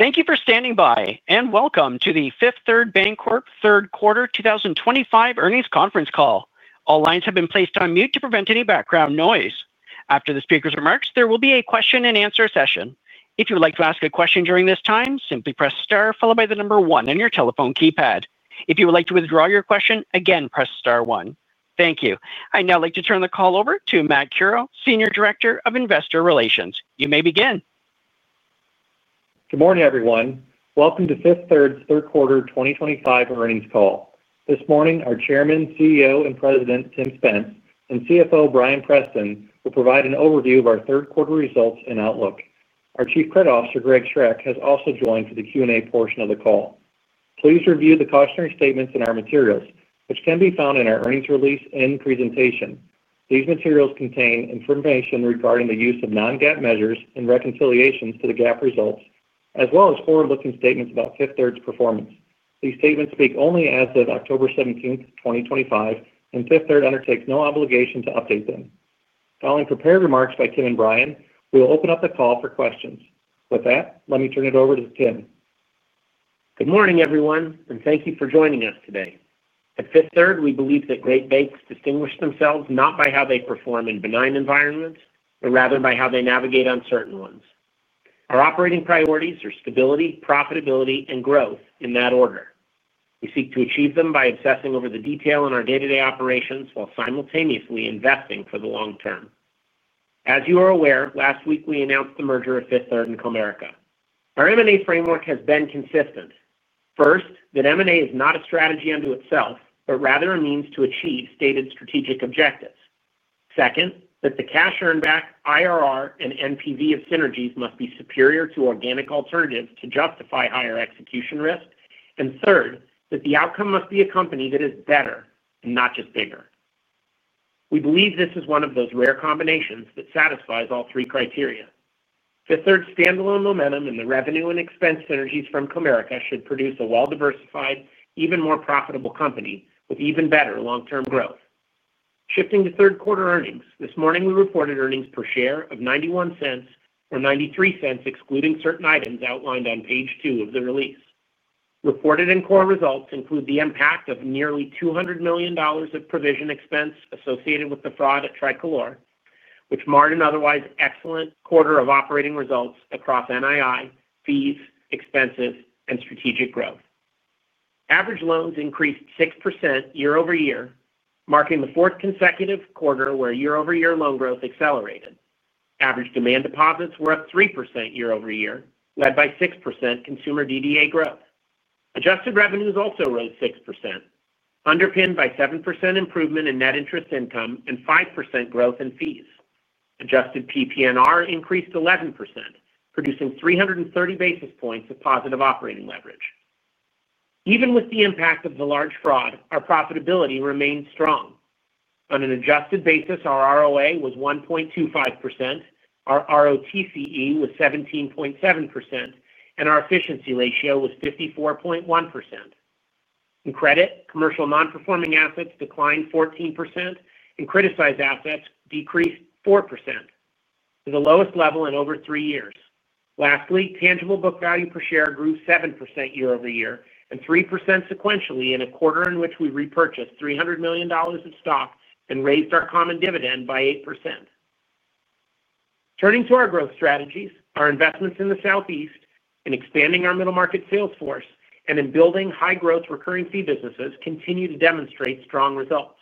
Thank you for standing by and welcome to the Fifth Third Bancorp third quarter 2025 earnings conference call. All lines have been placed on mute to prevent any background noise. After the speaker's remarks, there will be a question and answer session. If you would like to ask a question during this time, simply press star followed by the number one on your telephone keypad. If you would like to withdraw your question, again press star one. Thank you. I'd now like to turn the call over to Matt Curoe, Senior Director of Investor Relations. You may begin. Good morning, everyone. Welcome to Fifth Third's third quarter 2025 earnings call. This morning, our Chairman, CEO, and President Tim Spence, and CFO Bryan Preston will provide an overview of our third quarter results and outlook. Our Chief Credit Officer, Greg Schroeck, has also joined for the Q&A portion of the call. Please review the cautionary statements in our materials, which can be found in our earnings release and presentation. These materials contain information regarding the use of non-GAAP measures and reconciliations to the GAAP results, as well as forward-looking statements about Fifth Third's performance. These statements speak only as of October 17, 2025, and Fifth Third undertakes no obligation to update them. Following prepared remarks by Tim and Bryan, we'll open up the call for questions. With that, let me turn it over to Tim. Good morning, everyone, and thank you for joining us today. At Fifth Third, we believe that great banks distinguish themselves not by how they perform in benign environments, but rather by how they navigate uncertain ones. Our operating priorities are stability, profitability, and growth, in that order. We seek to achieve them by obsessing over the detail in our day-to-day operations while simultaneously investing for the long term. As you are aware, last week we announced the merger of Fifth Third and Comerica. Our M&A framework has been consistent. First, that M&A is not a strategy unto itself, but rather a means to achieve stated strategic objectives. Second, that the cash earned back, IRR, and NPV of synergies must be superior to organic alternatives to justify higher execution risk. Third, that the outcome must be a company that is better and not just bigger. We believe this is one of those rare combinations that satisfies all three criteria. Fifth Third's standalone momentum in the revenue and expense synergies from Comerica should produce a well-diversified, even more profitable company with even better long-term growth. Shifting to third quarter earnings, this morning we reported earnings per share of $0.91 or $0.93, excluding certain items outlined on page two of the release. Reported and core results include the impact of nearly $200 million of provision expense associated with the fraud at Tricolor, which marred an otherwise excellent quarter of operating results across NII, fees, expenses, and strategic growth. Average loans increased 6% year-over-year, marking the fourth consecutive quarter where year-over-year loan growth accelerated. Average demand deposits were up 3% year-over-year, led by 6% consumer DDA growth. Adjusted revenues also rose 6%, underpinned by 7% improvement in net interest income and 5% growth in fees. Adjusted PP&R increased 11%, producing 330 basis points of positive operating leverage. Even with the impact of the large fraud, our profitability remained strong. On an adjusted basis, our ROA was 1.25%, our ROTCE was 17.7%, and our efficiency ratio was 54.1%. In credit, commercial non-performing assets declined 14%, and criticized assets decreased 4% to the lowest level in over three years. Lastly, tangible book value per share grew 7% year-over-year and 3% sequentially in a quarter in which we repurchased $300 million of stock and raised our common dividend by 8%. Turning to our growth strategies, our investments in the Southeast, in expanding our middle market sales force, and in building high-growth recurring fee businesses continue to demonstrate strong results.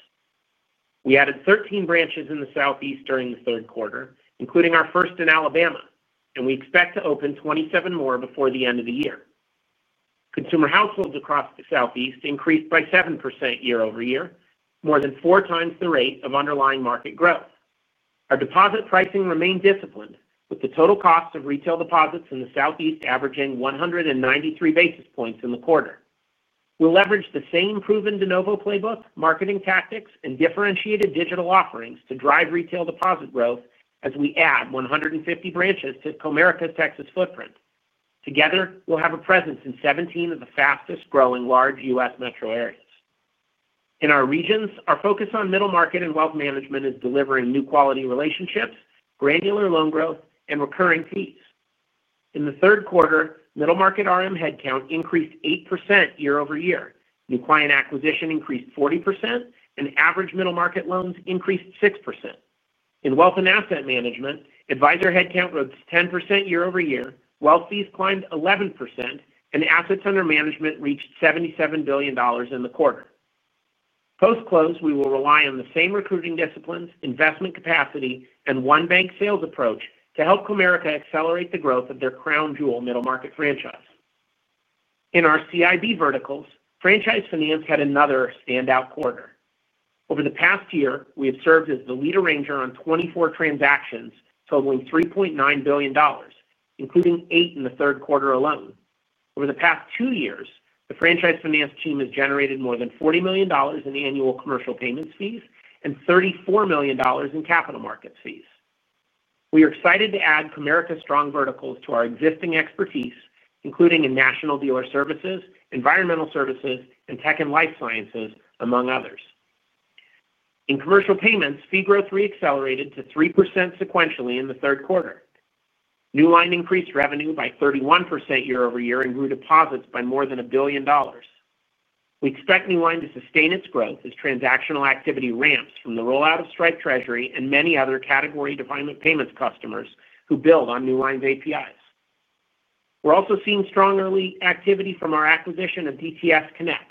We added 13 branches in the Southeast during the third quarter, including our first in Alabama, and we expect to open 27 more before the end of the year. Consumer households across the Southeast increased by 7% year-over-year, more than four times the rate of underlying market growth. Our deposit pricing remained disciplined, with the total cost of retail deposits in the Southeast averaging 1.93% in the quarter. We'll leverage the same proven de novo playbook, marketing tactics, and differentiated digital offerings to drive retail deposit growth as we add 150 branches to Comerica's Texas footprint. Together, we'll have a presence in 17 of the fastest growing large U.S. metro areas. In our regions, our focus on middle market and wealth management is delivering new quality relationships, granular loan growth, and recurring fees. In the third quarter, middle market RM headcount increased 8% year-over-year, new client acquisition increased 40%, and average middle market loans increased 6%. In wealth and asset management, advisor headcount rose 10% year-over-year, wealth fees climbed 11%, and assets under management reached $77 billion in the quarter. Post-close, we will rely on the same recruiting disciplines, investment capacity, and one-bank sales approach to help Comerica accelerate the growth of their crown jewel middle market franchise. In our CIB verticals, franchise finance had another standout quarter. Over the past year, we have served as the lead arranger on 24 transactions totaling $3.9 billion, including eight in the third quarter alone. Over the past two years, the franchise finance team has generated more than $40 million in annual commercial payments fees and $34 million in capital markets fees. We are excited to add Comerica's strong verticals to our existing expertise, including in national dealer services, environmental services, and tech and life sciences, among others. In commercial payments, fee growth reaccelerated to 3% sequentially in the third quarter. Newline increased revenue by 31% year-over-year and grew deposits by more than $1 billion. We expect Newline to sustain its growth as transactional activity ramps from the rollout of Stripe Treasury and many other category-defined payments customers who build on Newline's APIs. We're also seeing strong early activity from our acquisition of DTS Connex.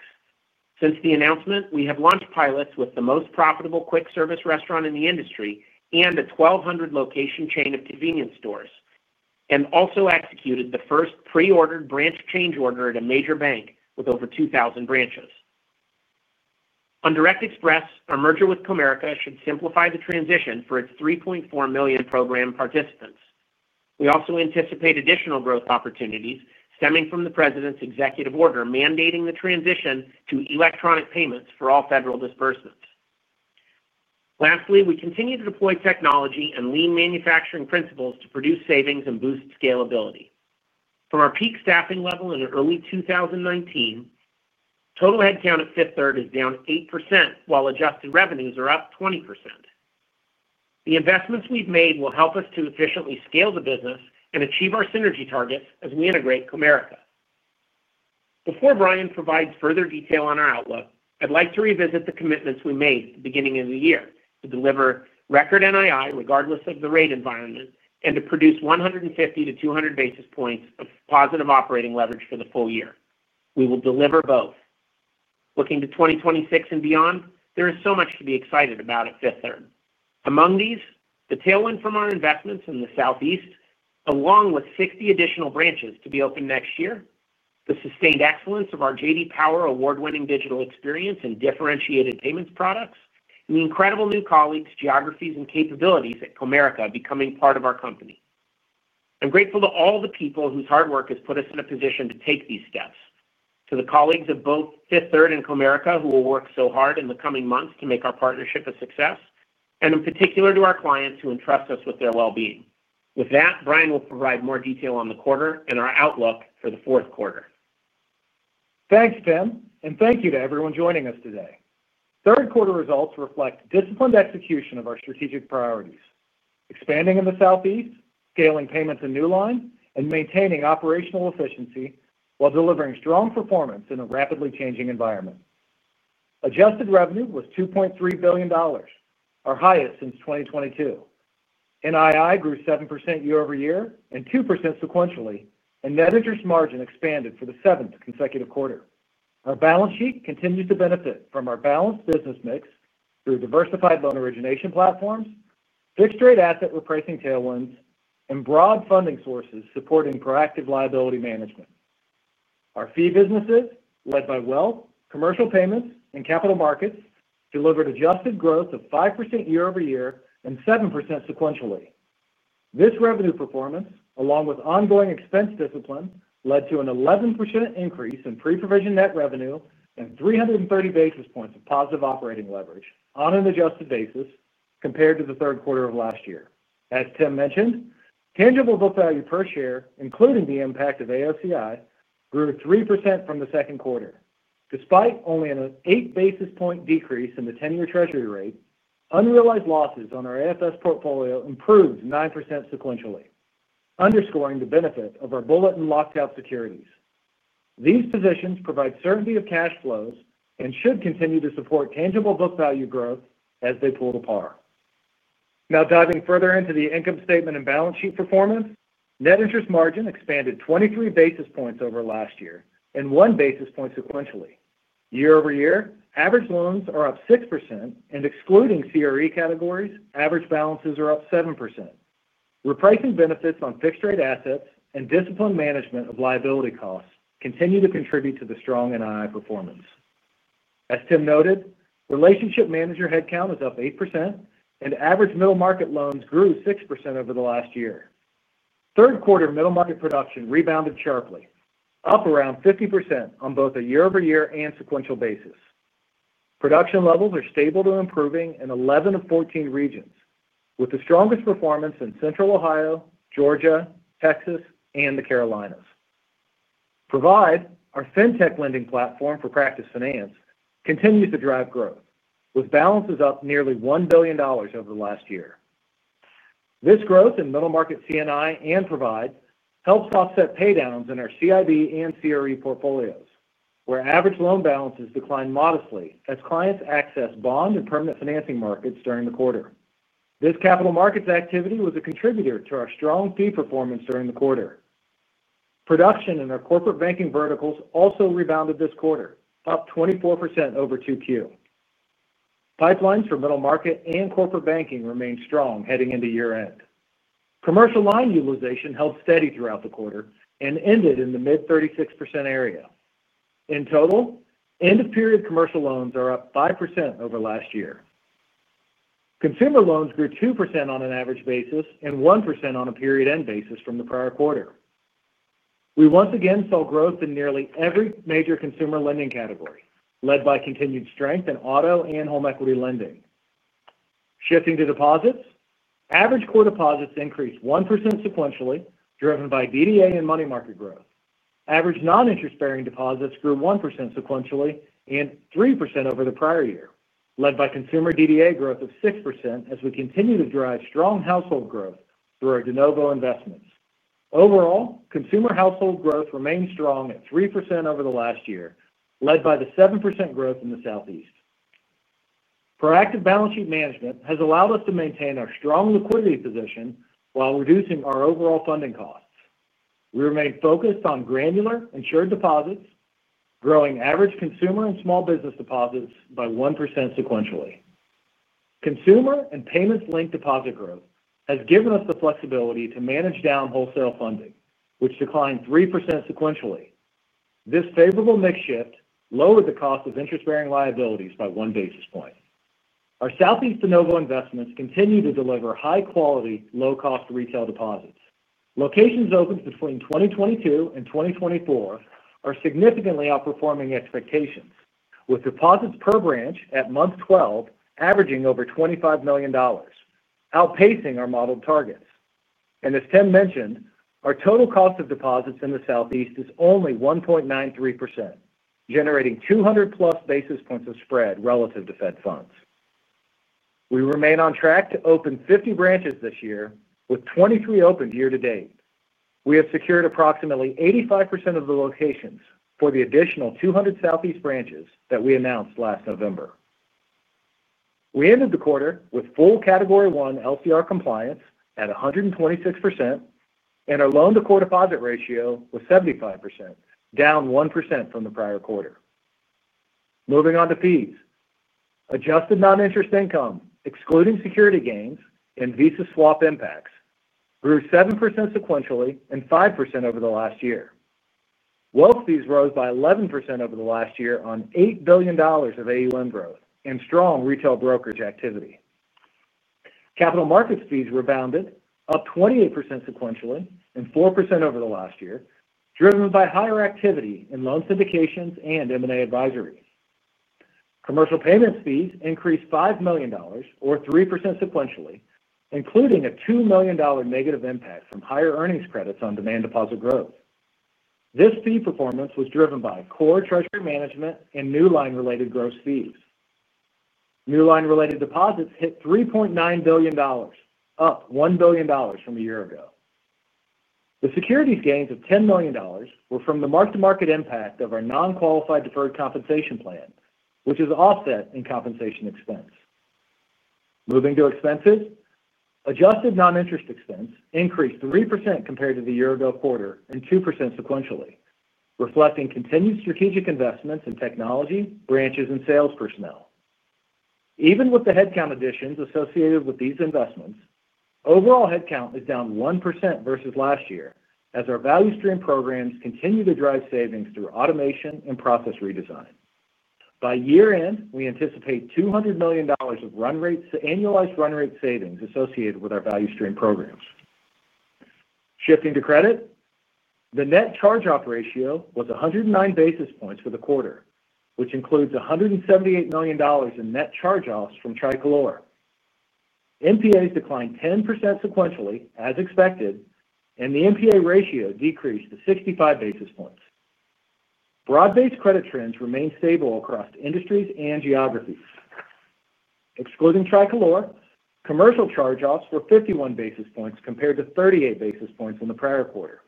Since the announcement, we have launched pilots with the most profitable quick-service restaurant in the industry and a 1,200-location chain of convenience stores, and also executed the first pre-ordered branch change order at a major bank with over 2,000 branches. On Direct Express, our merger with Comerica should simplify the transition for its 3.4 million program participants. We also anticipate additional growth opportunities stemming from the president's executive order mandating the transition to electronic payments for all federal disbursements. Lastly, we continue to deploy technology and lean manufacturing principles to produce savings and boost scalability. From our peak staffing level in early 2019, total headcount at Fifth Third is down 8% while adjusted revenues are up 20%. The investments we've made will help us to efficiently scale the business and achieve our synergy targets as we integrate Comerica. Before Bryan provides further detail on our outlook, I'd like to revisit the commitments we made at the beginning of the year to deliver record NII regardless of the rate environment and to produce 150 basis points-200 basis points of positive operating leverage for the full year. We will deliver both. Looking to 2026 and beyond, there is so much to be excited about at Fifth Third. Among these, the tailwind from our investments in the Southeast, along with 60 additional branches to be opened next year, the sustained excellence of our J.D. Power award-winning digital experience and differentiated payments products, and the incredible new colleagues, geographies, and capabilities at Comerica becoming part of our company. I'm grateful to all the people whose hard work has put us in a position to take these steps, to the colleagues of both Fifth Third and Comerica who will work so hard in the coming months to make our partnership a success, and in particular to our clients who entrust us with their well-being. With that, Bryan will provide more detail on the quarter and our outlook for the fourth quarter. Thanks, Tim, and thank you to everyone joining us today. Third quarter results reflect disciplined execution of our strategic priorities: expanding in the Southeast, scaling payments in Newline, and maintaining operational efficiency while delivering strong performance in a rapidly changing environment. Adjusted revenue was $2.3 billion, our highest since 2022. NII grew 7% year-over-year and 2% sequentially, and net interest margin expanded for the seventh consecutive quarter. Our balance sheet continues to benefit from our balanced business mix through diversified loan origination platforms, fixed-rate asset repricing tailwinds, and broad funding sources supporting proactive liability management. Our fee businesses, led by wealth, commercial payments, and capital markets, delivered adjusted growth of 5% year-over-year and 7% sequentially. This revenue performance, along with ongoing expense discipline, led to an 11% increase in pre-provision net revenue and 330 basis points of positive operating leverage on an adjusted basis compared to the third quarter of last year. As Tim mentioned, tangible book value per share, including the impact of AOCI, grew 3% from the second quarter. Despite only an 8 basis point decrease in the 10-year Treasury rate, unrealized losses on our AFS portfolio improved 9% sequentially, underscoring the benefit of our bullet and lockout securities. These positions provide certainty of cash flows and should continue to support tangible book value growth as they pull to par. Now diving further into the income statement and balance sheet performance, net interest margin expanded 23 basis points over last year and one basis point sequentially. year-over-year, average loans are up 6%, and excluding CRE categories, average balances are up 7%. Repricing benefits on fixed-rate assets and disciplined management of liability costs continue to contribute to the strong NII performance. As Tim noted, relationship manager headcount is up 8%, and average middle market loans grew 6% over the last year. Third quarter middle market production rebounded sharply, up around 50% on both a year-over-year and sequential basis. Production levels are stable to improving in 11 of 14 regions, with the strongest performance in central Ohio, Georgia, Texas, and the Carolinas. Provide, our fintech lending platform for practice finance, continues to drive growth, with balances up nearly $1 billion over the last year. This growth in middle market CNI and Provide helps offset pay downs in our CIB and CRE portfolios, where average loan balances decline modestly as clients access bond and permanent financing markets during the quarter. This capital markets activity was a contributor to our strong fee performance during the quarter. Production in our corporate banking verticals also rebounded this quarter, up 24% over 2Q. Pipelines for middle market and corporate banking remain strong heading into year-end. Commercial line utilization held steady throughout the quarter and ended in the mid-36% area. In total, end-of-period commercial loans are up 5% over last year. Consumer loans grew 2% on an average basis and 1% on a period-end basis from the prior quarter. We once again saw growth in nearly every major consumer lending category, led by continued strength in auto and home equity lending. Shifting to deposits, average core deposits increased 1% sequentially, driven by DDA and money market growth. Average non-interest bearing deposits grew 1% sequentially and 3% over the prior year, led by consumer DDA growth of 6% as we continue to drive strong household growth through our de novo investments. Overall, consumer household growth remains strong at 3% over the last year, led by the 7% growth in the Southeast. Proactive balance sheet management has allowed us to maintain our strong liquidity position while reducing our overall funding costs. We remain focused on granular insured deposits, growing average consumer and small business deposits by 1% sequentially. Consumer and payments linked deposit growth has given us the flexibility to manage down wholesale funding, which declined 3% sequentially. This favorable mix shift lowered the cost of interest-bearing liabilities by 1 basis point. Our Southeast de novo investments continue to deliver high-quality, low-cost retail deposits. Locations opened between 2022 and 2024 are significantly outperforming expectations, with deposits per branch at month 12 averaging over $25 million, outpacing our model targets. As Tim mentioned, our total cost of deposits in the Southeast is only 1.93%, generating 200+ basis points of spread relative to Fed funds. We remain on track to open 50 branches this year, with 23 open year to date. We have secured approximately 85% of the locations for the additional 200 Southeast branches that we announced last November. We ended the quarter with full Category 1 LCR compliance at 126%, and our loan-to-core deposit ratio was 75%, down 1% from the prior quarter. Moving on to fees, adjusted non-interest income, excluding security gains and Visa swap impacts, grew 7% sequentially and 5% over the last year. Wealth fees rose by 11% over the last year on $8 billion of AUM growth and strong retail brokerage activity. Capital markets fees rebounded, up 28% sequentially and 4% over the last year, driven by higher activity in loan syndications and M&A advisories. Commercial payments fees increased $5 million, or 3% sequentially, including a $2 million negative impact from higher earnings credits on demand deposit growth. This fee performance was driven by core treasury management and Newline related gross fees. Newline related deposits hit $3.9 billion, up $1 billion from a year ago. The securities gains of $10 million were from the mark-to-market impact of our non-qualified deferred compensation plan, which is offset in compensation expense. Moving to expenses, adjusted non-interest expense increased 3% compared to the year-ago quarter and 2% sequentially, reflecting continued strategic investments in technology, branches, and sales personnel. Even with the headcount additions associated with these investments, overall headcount is down 1% versus last year, as our value stream programs continue to drive savings through automation and process redesign. By year-end, we anticipate $200 million of run rates to annualized run rate savings associated with our value stream programs. Shifting to credit, the net charge-off ratio was 109 basis points for the quarter, which includes $178 million in net charge-offs from Tricolor. NPAs declined 10% sequentially, as expected, and the NPA ratio decreased to 65 basis points. Broad-based credit trends remain stable across industries and geographies. Excluding Tricolor, commercial charge-offs were 51 basis points compared to 38 basis points in the prior quarter.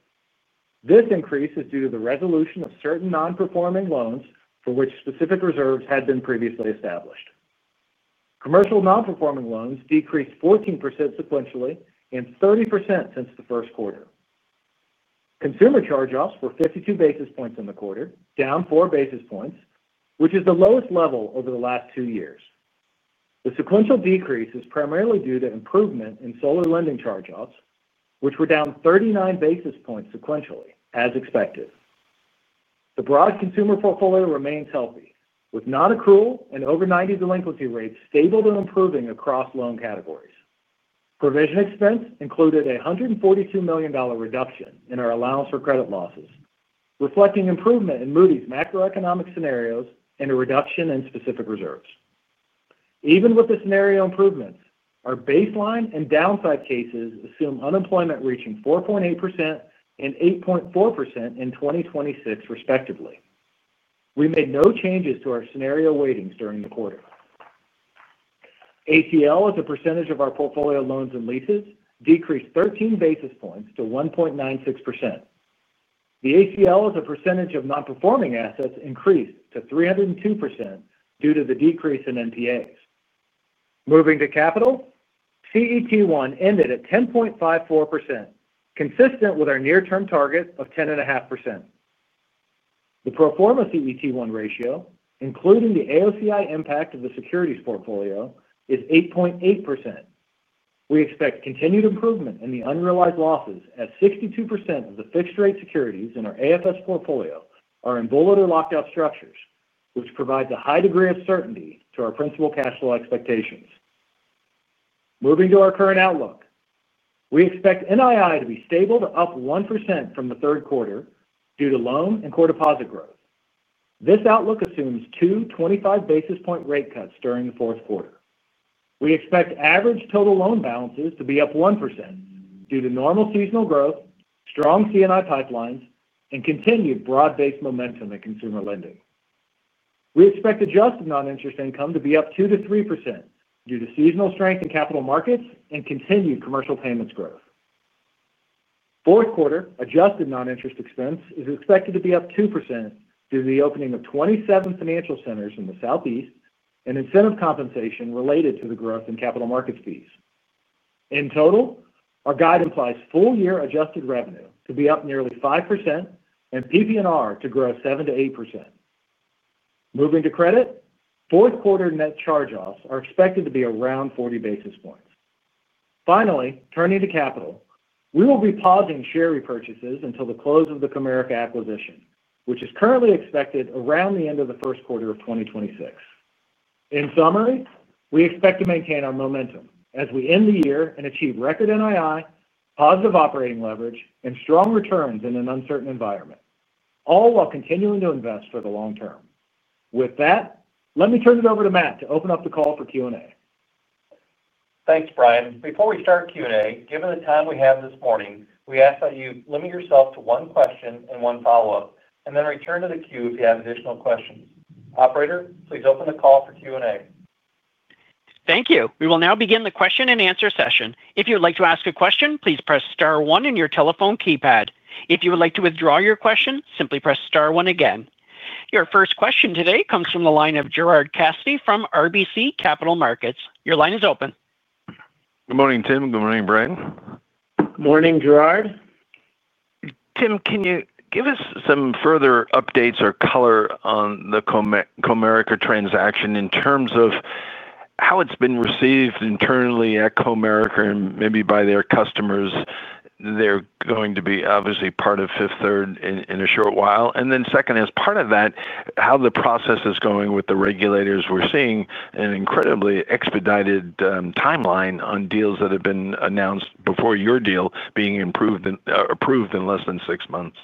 This increase is due to the resolution of certain non-performing loans for which specific reserves had been previously established. Commercial non-performing loans decreased 14% sequentially and 30% since the first quarter. Consumer charge-offs were 52 basis points in the quarter, down four basis points, which is the lowest level over the last two years. The sequential decrease is primarily due to improvement in solar lending charge-offs, which were down 39 basis points sequentially, as expected. The broad consumer portfolio remains healthy, with non-accrual and over 90 delinquency rates stable to improving across loan categories. Provision expense included a $142 million reduction in our allowance for credit losses, reflecting improvement in Moody's macroeconomic scenarios and a reduction in specific reserves. Even with the scenario improvements, our baseline and downside cases assume unemployment reaching 4.8% and 8.4% in 2026, respectively. We made no changes to our scenario weightings during the quarter. ACL as a percentage of our portfolio loans and leases decreased 13 basis points to 1.96%. The ACL as a percentage of non-performing assets increased to 302% due to the decrease in NPAs. Moving to capital, CET1 ended at 10.54%, consistent with our near-term target of 10.5%. The pro forma CET1 ratio, including the AOCI impact of the securities portfolio, is 8.8%. We expect continued improvement in the unrealized losses as 62% of the fixed-rate securities in our AFS portfolio are in bullet or lockout structures, which provides a high degree of certainty to our principal cash flow expectations. Moving to our current outlook, we expect NII to be stable to up 1% from the third quarter due to loan and core deposit growth. This outlook assumes two 25 basis point rate cuts during the fourth quarter. We expect average total loan balances to be up 1% due to normal seasonal growth, strong CNI pipelines, and continued broad-based momentum in consumer lending. We expect adjusted non-interest income to be up 2%-3% due to seasonal strength in capital markets and continued commercial payments growth. Fourth quarter adjusted non-interest expense is expected to be up 2% due to the opening of 27 financial centers in the Southeast and incentive compensation related to the growth in capital markets fees. In total, our guide implies full-year adjusted revenue to be up nearly 5% and PP&R to grow 7%-8%. Moving to credit, fourth quarter net charge-offs are expected to be around 40 basis points. Finally, turning to capital, we will be pausing share repurchases until the close of the Comerica acquisition, which is currently expected around the end of the first quarter of 2026. In summary, we expect to maintain our momentum as we end the year and achieve record NII, positive operating leverage, and strong returns in an uncertain environment, all while continuing to invest for the long term. With that, let me turn it over to Matt to open up the call for Q&A. Thanks, Bryan. Before we start Q&A, given the time we have this morning, we ask that you limit yourself to one question and one follow-up, and then return to the queue if you have additional questions. Operator, please open the call for Q&A. Thank you. We will now begin the question and answer session. If you would like to ask a question, please press star one on your telephone keypad. If you would like to withdraw your question, simply press star one again. Your first question today comes from the line of Gerard Cassidy from RBC Capital Markets. Your line is open. Good morning, Tim. Good morning, Bryan. Morning, Gerard. Tim, can you give us some further updates or color on the Comerica transaction in terms of how it's been received internally at Comerica and maybe by their customers? They're going to be obviously part of Fifth Third in a short while. Second, as part of that, how the process is going with the regulators, we're seeing an incredibly expedited timeline on deals that have been announced before your deal being approved in less than six months.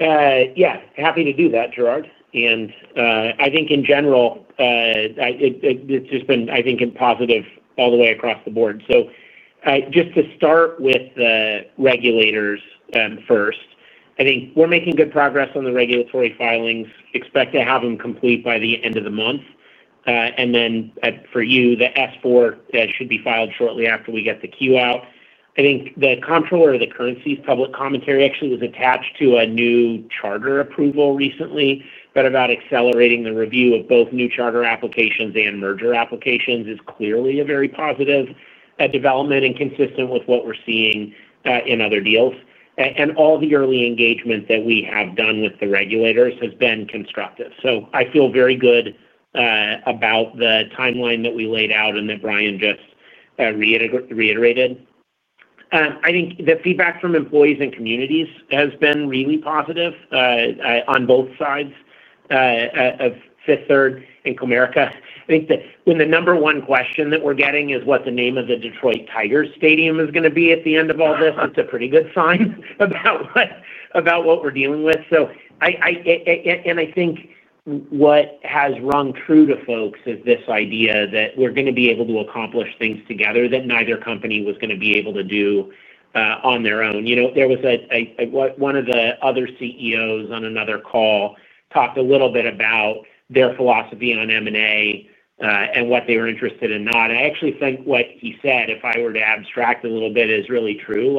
Yeah, happy to do that, Gerard. I think in general, it's just been positive all the way across the board. Just to start with the regulators first, I think we're making good progress on the regulatory filings. Expect to have them complete by the end of the month. For you, the S-4 should be filed shortly after we get the queue out. I think the Comptroller of the Currency's public commentary actually was attached to a new charter approval recently, about accelerating the review of both new charter applications and merger applications, which is clearly a very positive development and consistent with what we're seeing in other deals. All the early engagement that we have done with the regulators has been constructive. I feel very good about the timeline that we laid out and that Bryan just reiterated. I think the feedback from employees and communities has been really positive on both sides of Fifth Third and Comerica. When the number one question that we're getting is what the name of the Detroit Tigers Stadium is going to be at the end of all this, it's a pretty good sign about what we're dealing with. I think what has rung true to folks is this idea that we're going to be able to accomplish things together that neither company was going to be able to do on their own. One of the other CEOs on another call talked a little bit about their philosophy on M&A and what they were interested in, not. I actually think what he said, if I were to abstract a little bit, is really true.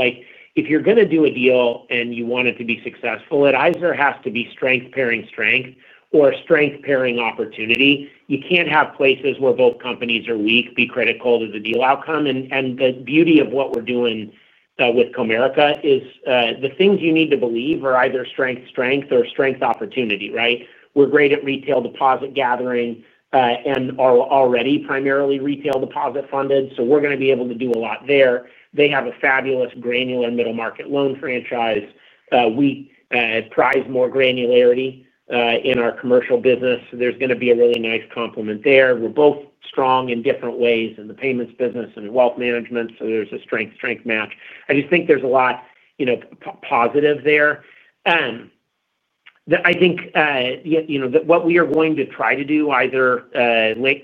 If you're going to do a deal and you want it to be successful, it either has to be strength pairing strength or strength pairing opportunity. You can't have places where both companies are weak be critical to the deal outcome. The beauty of what we're doing with Comerica is the things you need to believe are either strength strength or strength opportunity, right? We're great at retail deposit gathering and are already primarily retail deposit funded, so we're going to be able to do a lot there. They have a fabulous granular middle market loan franchise. We prize more granularity in our commercial business. There's going to be a really nice complement there. We're both strong in different ways in the payments business and wealth management, so there's a strength strength match. I just think there's a lot positive there. I think what we are going to try to do either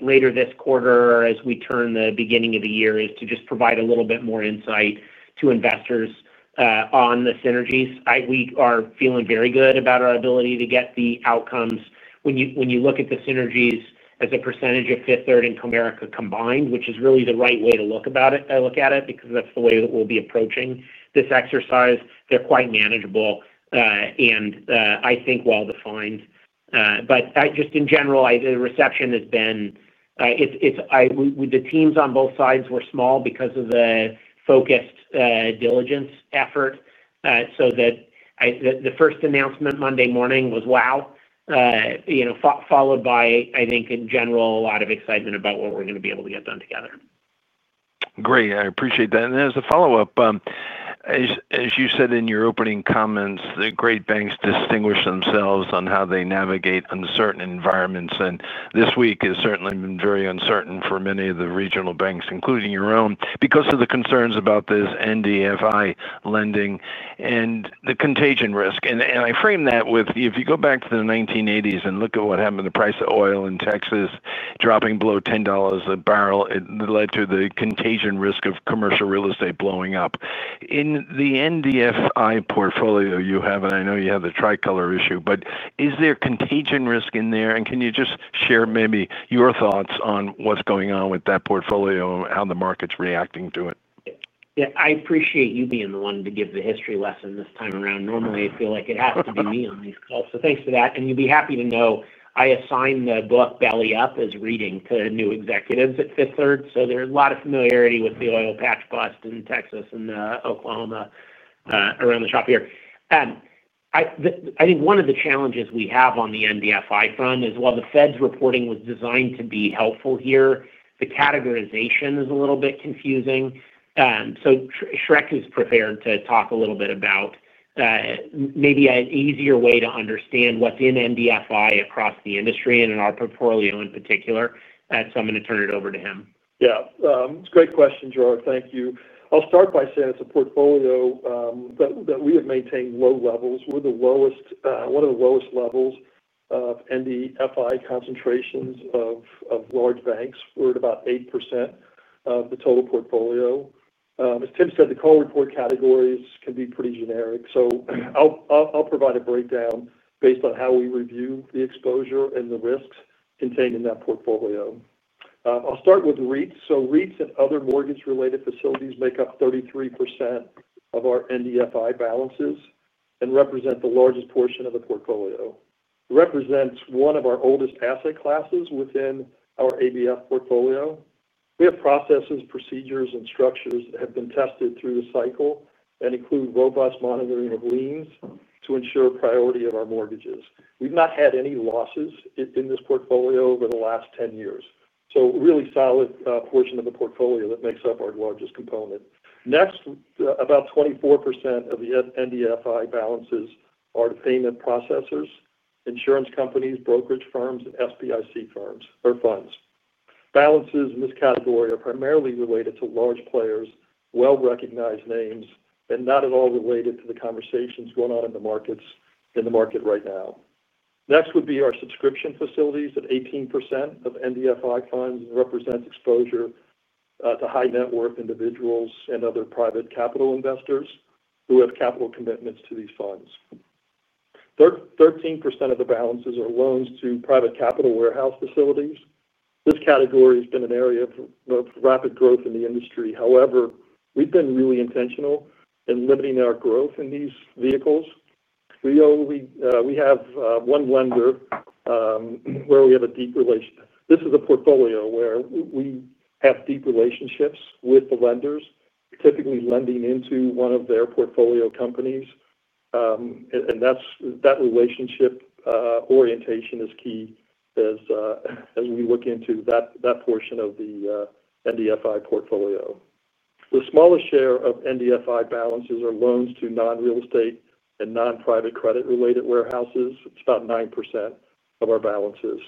later this quarter or as we turn the beginning of the year is to just provide a little bit more insight to investors on the synergies. We are feeling very good about our ability to get the outcomes. When you look at the synergies as a percentage of Fifth Third and Comerica combined, which is really the right way to look at it, because that's the way that we'll be approaching this exercise, they're quite manageable and I think well-defined. In general, the reception has been, it's the teams on both sides were small because of the focused diligence effort. The first announcement Monday morning was, wow, followed by, I think in general, a lot of excitement about what we're going to be able to get done together. Great. I appreciate that. As a follow-up, as you said in your opening comments, the great banks distinguish themselves on how they navigate uncertain environments. This week has certainly been very uncertain for many of the regional banks, including your own, because of the concerns about this NDFI lending and the contagion risk. I frame that with, if you go back to the 1980s and look at what happened, the price of oil in Texas dropping below $10 a barrel, it led to the contagion risk of commercial real estate blowing up. In the NDFI portfolio, you have, and I know you have the Tricolor issue, but is there contagion risk in there? Can you just share maybe your thoughts on what's going on with that portfolio and how the market's reacting to it? Yeah, I appreciate you being the one to give the history lesson this time around. Normally, I feel like it has to be me on these calls. Thanks for that. You'll be happy to know I assign the book "Belly Up" as reading to new executives at Fifth Third. There's a lot of familiarity with the oil patch bust in Texas and Oklahoma around the shop here. I think one of the challenges we have on the NDFI front is while the Fed's reporting was designed to be helpful here, the categorization is a little bit confusing. Schroeck is prepared to talk a little bit about maybe an easier way to understand what's in NDFI across the industry and in our portfolio in particular. I'm going to turn it over to him. Yeah, it's a great question, Gerard. Thank you. I'll start by saying it's a portfolio that we have maintained at low levels. We're the lowest, one of the lowest levels of NDFI concentrations of large banks. We're at about 8% of the total portfolio. As Tim said, the call report categories can be pretty generic. I'll provide a breakdown based on how we review the exposure and the risks contained in that portfolio. I'll start with REITs. REITs and other mortgage-related facilities make up 33% of our NDFI balances and represent the largest portion of the portfolio. It represents one of our oldest asset classes within our ABF portfolio. We have processes, procedures, and structures that have been tested through the cycle and include robust monitoring of liens to ensure priority of our mortgages. We've not had any losses in this portfolio over the last 10 years. A really solid portion of the portfolio that makes up our largest component. Next, about 24% of the NDFI balances are to payment processors, insurance companies, brokerage firms, and SBIC firms or funds. Balances in this category are primarily related to large players, well-recognized names, and not at all related to the conversations going on in the markets right now. Next would be our subscription facilities at 18% of NDFI funds and represents exposure to high net worth individuals and other private capital investors who have capital commitments to these funds. 13% of the balances are loans to private capital warehouse facilities. This category has been an area of rapid growth in the industry. However, we've been really intentional in limiting our growth in these vehicles. We have one lender where we have a deep relationship. This is a portfolio where we have deep relationships with the lenders, typically lending into one of their portfolio companies. That relationship orientation is key as we look into that portion of the NDFI portfolio. The smallest share of NDFI balances are loans to non-real estate and non-private credit-related warehouses. It's about 9% of our balances.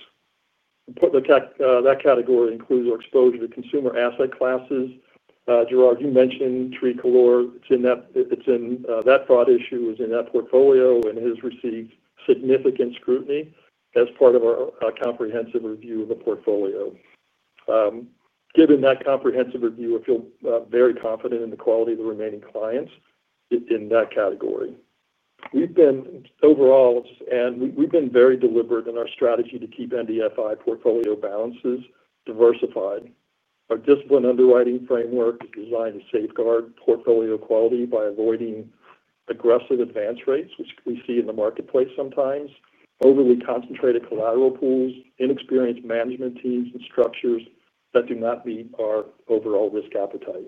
That category includes our exposure to consumer asset classes. Gerard, you mentioned Tricolor. That fraud issue is in that portfolio and has received significant scrutiny as part of our comprehensive review of the portfolio. Given that comprehensive review, I feel very confident in the quality of the remaining clients in that category. We've been overall, and we've been very deliberate in our strategy to keep NDFI portfolio balances diversified. Our disciplined underwriting framework is designed to safeguard portfolio quality by avoiding aggressive advance rates, which we see in the marketplace sometimes, overly concentrated collateral pools, inexperienced management teams, and structures that do not meet our overall risk appetite.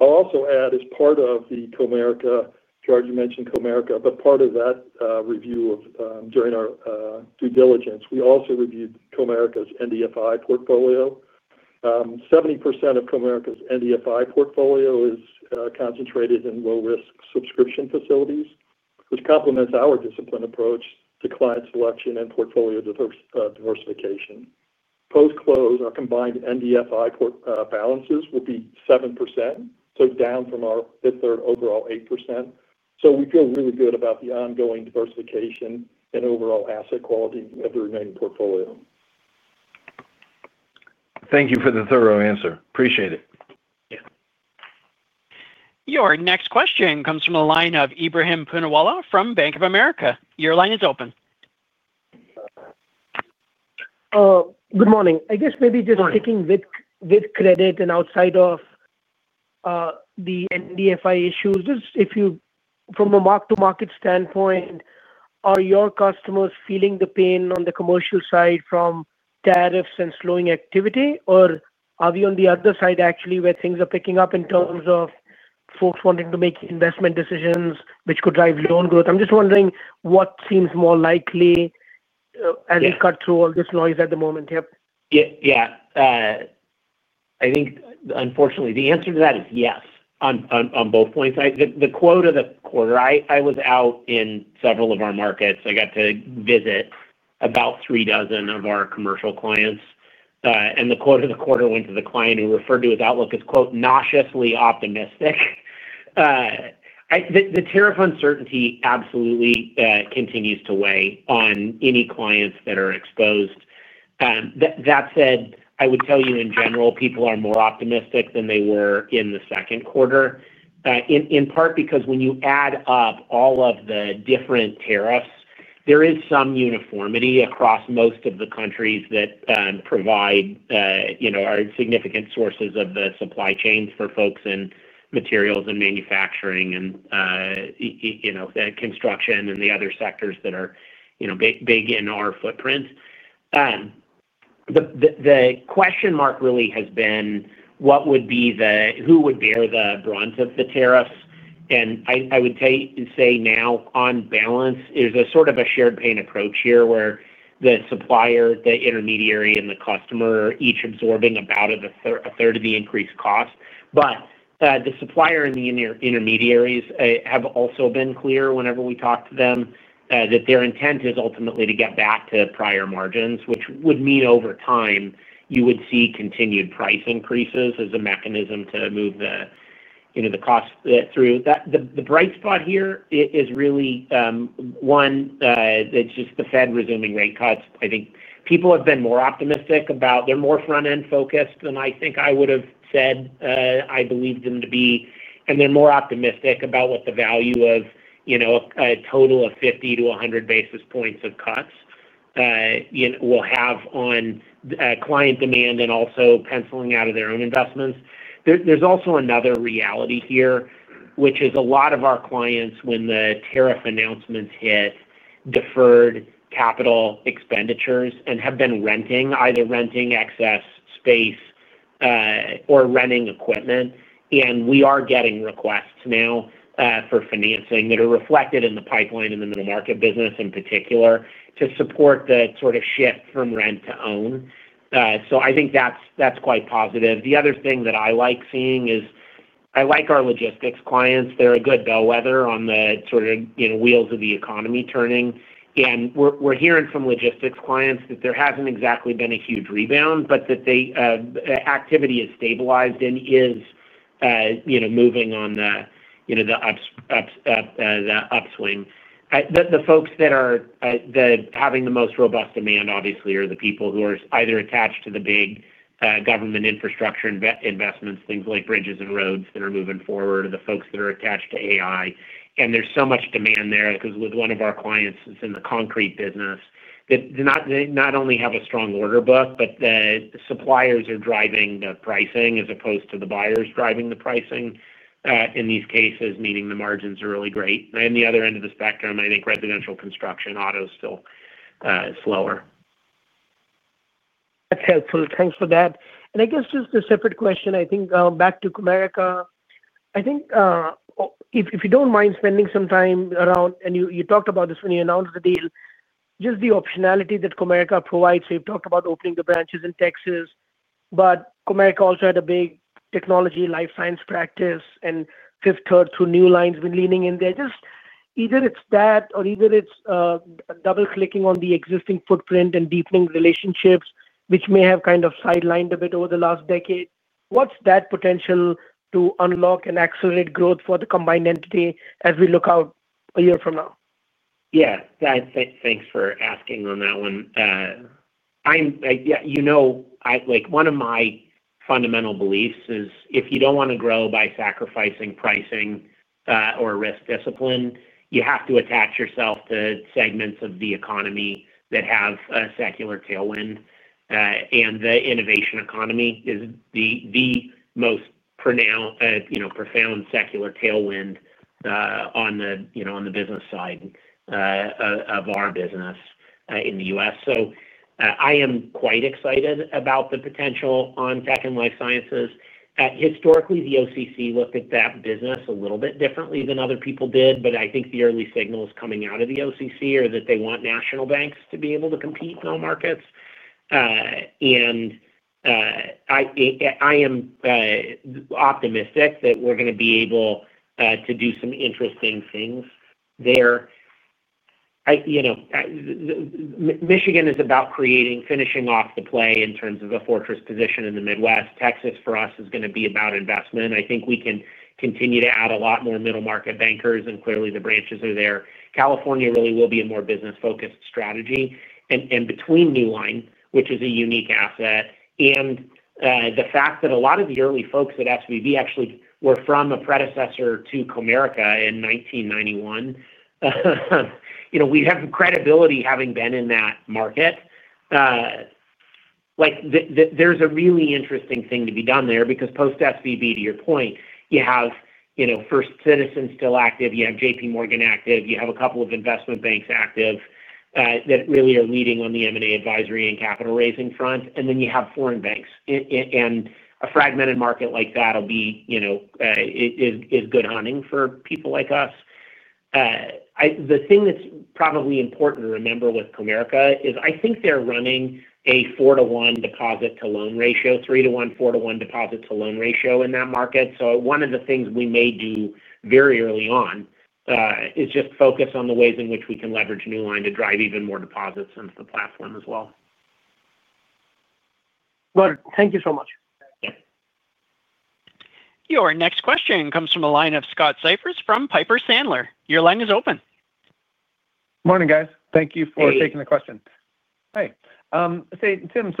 I'll also add, as part of the Comerica, Gerard, you mentioned Comerica, but part of that review during our due diligence, we also reviewed Comerica's NDFI portfolio. 70% of Comerica's NDFI portfolio is concentrated in low-risk subscription facilities, which complements our disciplined approach to client selection and portfolio diversification. Post-close, our combined NDFI balances will be 7%, down from our Fifth Third overall 8%. We feel really good about the ongoing diversification and overall asset quality of the remaining portfolio. Thank you for the thorough answer. Appreciate it. Yeah. Your next question comes from the line of Ebrahim Poonawala from Bank of America. Your line is open. Good morning. I guess maybe just sticking with credit and outside of the NDFI issues, just if you, from a mark-to-market standpoint, are your customers feeling the pain on the commercial side from tariffs and slowing activity, or are we on the other side actually where things are picking up in terms of folks wanting to make investment decisions, which could drive loan growth? I'm just wondering what seems more likely as we cut through all this noise at the moment. Yep. Yeah. I think, unfortunately, the answer to that is yes on both points. The quote of the quarter, I was out in several of our markets. I got to visit about three dozen of our commercial clients. The quote of the quarter went to the client who referred to his outlook as, quote, "nauseously optimistic." The tariff uncertainty absolutely continues to weigh on any clients that are exposed. That said, I would tell you in general, people are more optimistic than they were in the second quarter, in part because when you add up all of the different tariffs, there is some uniformity across most of the countries that provide, you know, are significant sources of the supply chains for folks in materials and manufacturing and, you know, construction and the other sectors that are, you know, big in our footprint. The question mark really has been what would be the, who would bear the brunt of the tariffs? I would say now on balance, there's a sort of a shared pain approach here where the supplier, the intermediary, and the customer are each absorbing about a third of the increased cost. The supplier and the intermediaries have also been clear whenever we talk to them that their intent is ultimately to get back to prior margins, which would mean over time you would see continued price increases as a mechanism to move the, you know, the cost through. The bright spot here is really one, that's just the Fed resuming rate cuts. I think people have been more optimistic about, they're more front-end focused than I think I would have said I believed them to be. They're more optimistic about what the value of, you know, a total of 50 basis points-100 basis points of cuts, you know, will have on client demand and also penciling out of their own investments. There's also another reality here, which is a lot of our clients, when the tariff announcements hit, deferred capital expenditures and have been renting, either renting excess space or renting equipment. We are getting requests now for financing that are reflected in the pipeline in the middle market business in particular to support the sort of shift from rent to own. I think that's quite positive. The other thing that I like seeing is I like our logistics clients. They're a good bellwether on the sort of, you know, wheels of the economy turning. We are hearing from logistics clients that there has not exactly been a huge rebound, but the activity is stabilized and is moving on the upswing. The folks that are having the most robust demand, obviously, are the people who are either attached to the big government infrastructure investments, things like bridges and roads that are moving forward, or the folks that are attached to AI. There is so much demand there because with one of our clients that is in the concrete business, they not only have a strong order book, but the suppliers are driving the pricing as opposed to the buyers driving the pricing. In these cases, the margins are really great. On the other end of the spectrum, I think residential construction, auto is still slower. That's helpful. Thanks for that. I guess just a separate question, I think back to Comerica. I think if you don't mind spending some time around, you talked about this when you announced the deal, just the optionality that Comerica provides. You've talked about opening the branches in Texas, but Comerica also had a big technology life science practice, and Fifth Third through Newline has been leaning in there. Either it's that, or it's double-clicking on the existing footprint and deepening relationships, which may have kind of sidelined a bit over the last decade. What's that potential to unlock and accelerate growth for the combined entity as we look out a year from now? Thanks for asking on that one. One of my fundamental beliefs is if you don't want to grow by sacrificing pricing or risk discipline, you have to attach yourself to segments of the economy that have a secular tailwind. The innovation economy is the most profound secular tailwind on the business side of our business in the U.S. I am quite excited about the potential on tech and life sciences. Historically, the OCC looked at that business a little bit differently than other people did, but I think the early signals coming out of the OCC are that they want national banks to be able to compete in all markets. I am optimistic that we're going to be able to do some interesting things there. Michigan is about creating, finishing off the play in terms of a fortress position in the Midwest. Texas, for us, is going to be about investment. I think we can continue to add a lot more middle market bankers, and clearly the branches are there. California really will be a more business-focused strategy. Between Newline, which is a unique asset, and the fact that a lot of the early folks at SVB actually were from a predecessor to Comerica in 1991, we have credibility having been in that market. There is a really interesting thing to be done there because post-SVB, to your point, you have First Citizen still active, you have JPMorgan active, you have a couple of investment banks active that really are leading on the M&A advisory and capital raising front, and then you have foreign banks. A fragmented market like that is good hunting for people like us. The thing that's probably important to remember with Comerica is I think they're running a 4/1 deposit-to-loan ratio, 3/1, 4/1 deposit-to-loan ratio in that market. One of the things we may do very early on is just focus on the ways in which we can leverage Newline to drive even more deposits into the platform as well. Thank you so much. Your next question comes from a line of Scott Siefers from Piper Sandler. Your line is open. Morning, guys. Thank you for taking the question. Hey, Tim,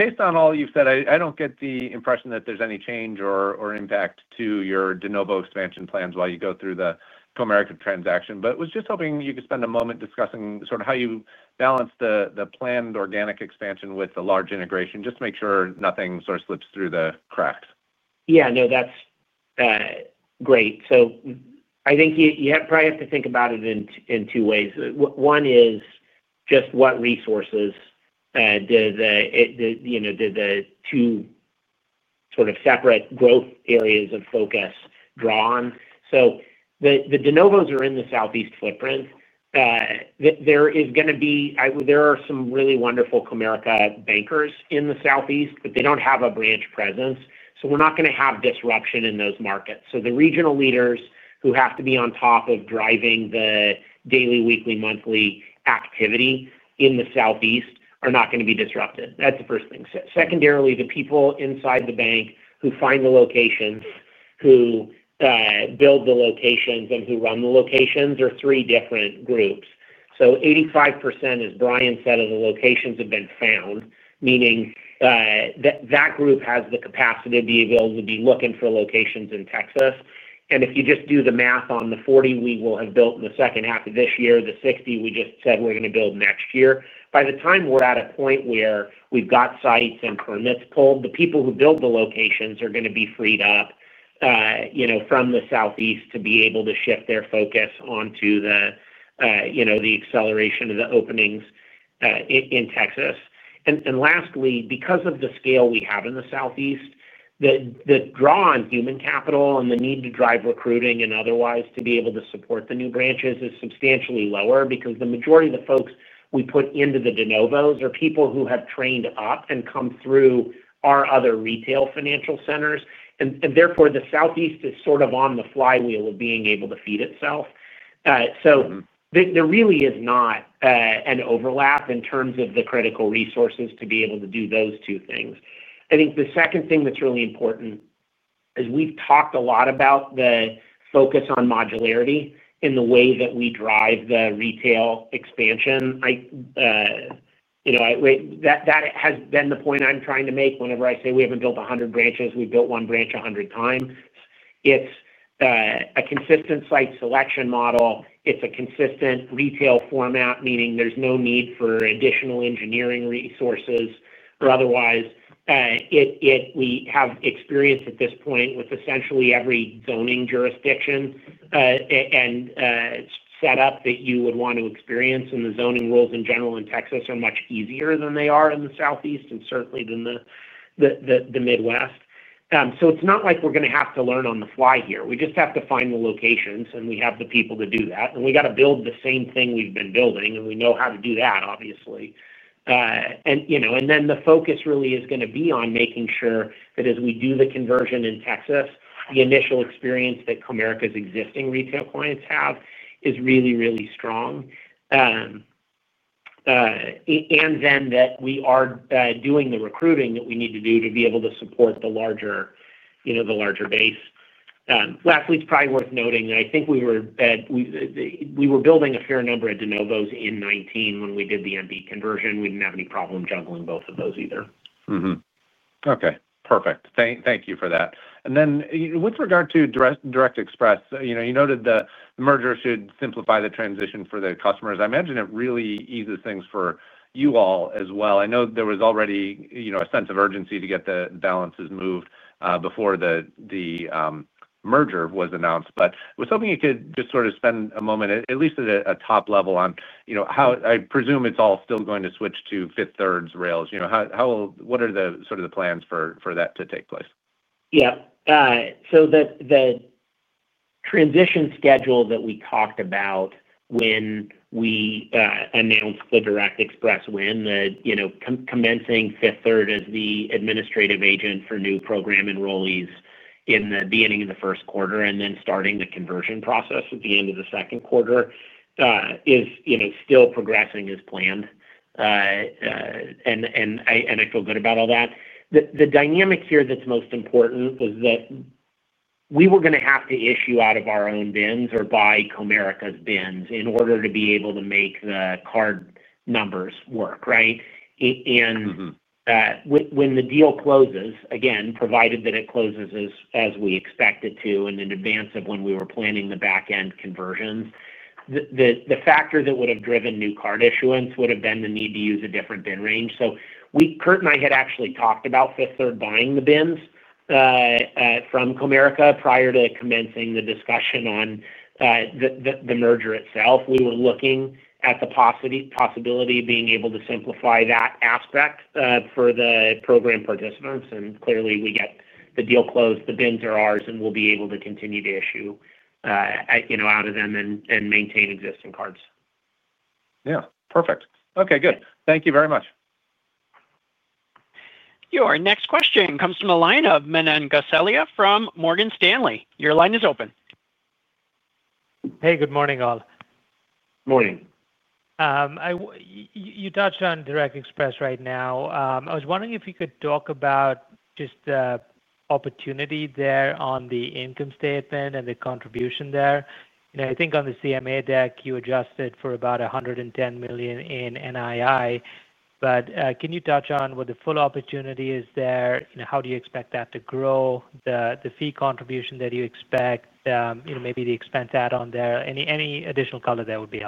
based on all you've said, I don't get the impression that there's any change or impact to your de novo expansion plans while you go through the Comerica transaction. I was just hoping you could spend a moment discussing sort of how you balance the planned organic expansion with the large integration just to make sure nothing sort of slips through the cracks. Yeah, no, that's great. I think you probably have to think about it in two ways. One is just what resources do the two sort of separate growth areas of focus draw on. The de novos are in the Southeast footprint. There is going to be, I would, there are some really wonderful Comerica bankers in the Southeast, but they don't have a branch presence. We're not going to have disruption in those markets. The regional leaders who have to be on top of driving the daily, weekly, monthly activity in the Southeast are not going to be disrupted. That's the first thing. Secondarily, the people inside the bank who find the locations, who build the locations, and who run the locations are three different groups. 85%, as Bryan said, of the locations have been found, meaning that group has the capacity to be able to be looking for locations in Texas. If you just do the math on the 40 we will have built in the second half of this year, the 60 we just said we're going to build next year, by the time we're at a point where we've got sites and permits pulled, the people who build the locations are going to be freed up from the Southeast to be able to shift their focus onto the acceleration of the openings in Texas. Lastly, because of the scale we have in the Southeast, the draw on human capital and the need to drive recruiting and otherwise to be able to support the new branches is substantially lower because the majority of the folks we put into the de novos are people who have trained up and come through our other retail financial centers. Therefore, the Southeast is sort of on the flywheel of being able to feed itself. There really is not an overlap in terms of the critical resources to be able to do those two things. I think the second thing that's really important is we've talked a lot about the focus on modularity in the way that we drive the retail expansion. That has been the point I'm trying to make whenever I say we haven't built 100 branches, we built one branch 100x. It's a consistent site selection model. It's a consistent retail format, meaning there's no need for additional engineering resources or otherwise. We have experience at this point with essentially every zoning jurisdiction and setup that you would want to experience. The zoning rules in general in Texas are much easier than they are in the Southeast and certainly than the Midwest. It is not like we are going to have to learn on the fly here. We just have to find the locations, and we have the people to do that. We have to build the same thing we have been building, and we know how to do that, obviously. The focus really is going to be on making sure that as we do the conversion in Texas, the initial experience that Comerica's existing retail clients have is really, really strong. We are doing the recruiting that we need to do to be able to support the larger base. Lastly, it is probably worth noting that I think we were building a fair number of de novos in 2019 when we did the MB conversion. We did not have any problem juggling both of those either. Okay. Perfect. Thank you for that. With regard to Direct Express, you noted the merger should simplify the transition for the customers. I imagine it really eases things for you all as well. I know there was already a sense of urgency to get the balances moved before the merger was announced. I was hoping you could just sort of spend a moment, at least at a top level, on how I presume it's all still going to switch to Fifth Third's rails. What are the plans for that to take place? Yeah. The transition schedule that we talked about when we announced the Direct Express, when commencing Fifth Third as the administrative agent for new program enrollees in the beginning of the first quarter and then starting the conversion process at the end of the second quarter is still progressing as planned. I feel good about all that. The dynamic here that's most important was that we were going to have to issue out of our own bins or buy Comerica's bins in order to be able to make the card numbers work, right? When the deal closes, provided that it closes as we expect it to and in advance of when we were planning the backend conversions, the factor that would have driven new card issuance would have been the need to use a different bin range. Kurt and I had actually talked about Fifth Third buying the bins from Comerica prior to commencing the discussion on the merger itself. We were looking at the possibility of being able to simplify that aspect for the program participants. Clearly, we get the deal closed, the bins are ours, and we'll be able to continue to issue out of them and maintain existing cards. Yeah, perfect. Okay, good. Thank you very much. Your next question comes from a line of Manan Gosalia from Morgan Stanley. Your line is open. Hey, good morning all. Morning. You touched on Direct Express right now. I was wondering if you could talk about just the opportunity there on the income statement and the contribution there. I think on the CMA deck, you adjusted for about $110 million in NII. Can you touch on what the full opportunity is there? How do you expect that to grow? The fee contribution that you expect, maybe the expense add-on there. Any additional color there would be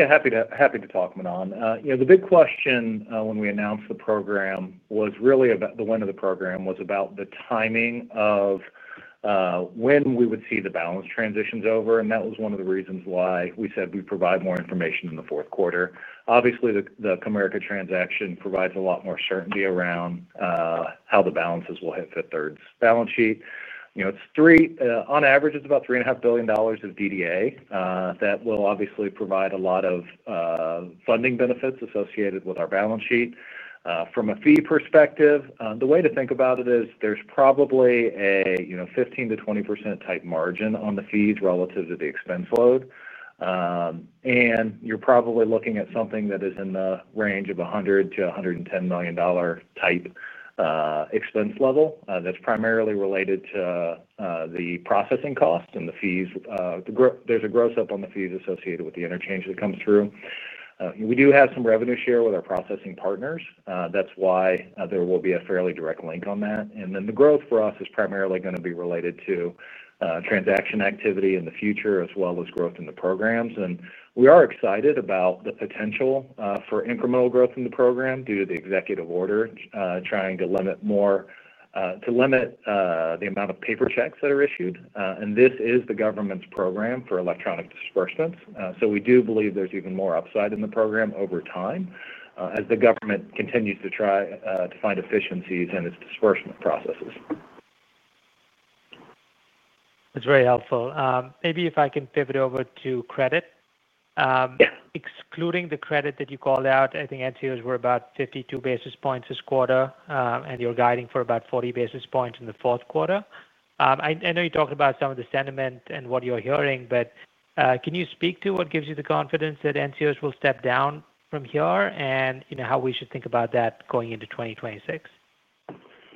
helpful. Yeah, happy to talk, Manan. You know, the big question when we announced the program was really about the wind of the program, was about the timing of when we would see the balance transitions over. That was one of the reasons why we said we'd provide more information in the fourth quarter. Obviously, the Comerica transaction provides a lot more certainty around how the balances will hit Fifth Third's balance sheet. You know, it's three, on average, it's about $3.5 billion of DDA that will obviously provide a lot of funding benefits associated with our balance sheet. From a fee perspective, the way to think about it is there's probably a 15%-20% type margin on the fees relative to the expense load. You're probably looking at something that is in the range of $100 million-$110 million type expense level that's primarily related to the processing costs and the fees. There's a gross up on the fees associated with the interchange that comes through. We do have some revenue share with our processing partners. That's why there will be a fairly direct link on that. The growth for us is primarily going to be related to transaction activity in the future, as well as growth in the programs. We are excited about the potential for incremental growth in the program due to the executive order trying to limit the amount of paper checks that are issued. This is the government's program for electronic disbursements. We do believe there's even more upside in the program over time as the government continues to try to find efficiencies in its disbursement processes. That's very helpful. Maybe if I can pivot over to credit. Yeah. Excluding the credit that you called out, I think NCOs were about 52 basis points this quarter, and you're guiding for about 40 basis points in the fourth quarter. I know you talked about some of the sentiment and what you're hearing, but can you speak to what gives you the confidence that NCOs will step down from here and how we should think about that going into 2026?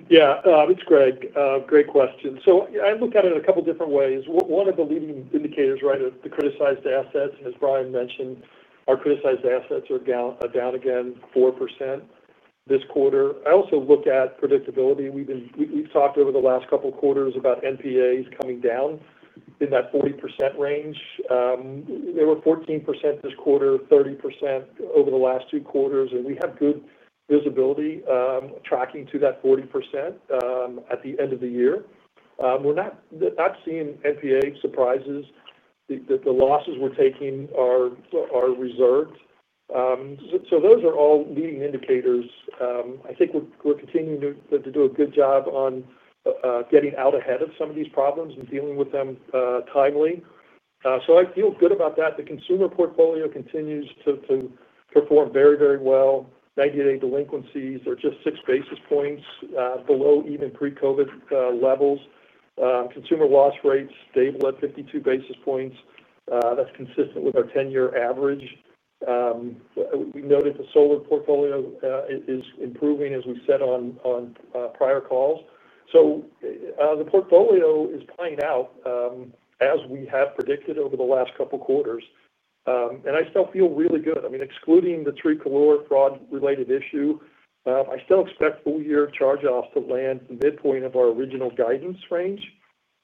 Yeah, it's Greg. Great question. I look at it in a couple of different ways. One of the leading indicators, right, of the criticized assets, and as Bryan mentioned, our criticized assets are down again 4% this quarter. I also look at predictability. We've talked over the last couple of quarters about NPAs coming down in that 40% range. They were 14% this quarter, 30% over the last two quarters, and we have good visibility tracking to that 40% at the end of the year. We're not seeing NPA surprises. The losses we're taking are reserved. Those are all leading indicators. I think we're continuing to do a good job on getting out ahead of some of these problems and dealing with them timely. I feel good about that. The consumer portfolio continues to perform very, very well. 98 delinquencies are just 6 basis points below even pre-COVID levels. Consumer loss rates stable at 52 basis points. That's consistent with our 10-year average. We noted the solar portfolio is improving, as we said on prior calls. The portfolio is playing out as we have predicted over the last couple of quarters. I still feel really good. I mean, excluding the Tricolor fraud-related issue, I still expect full-year charge-offs to land the midpoint of our original guidance range.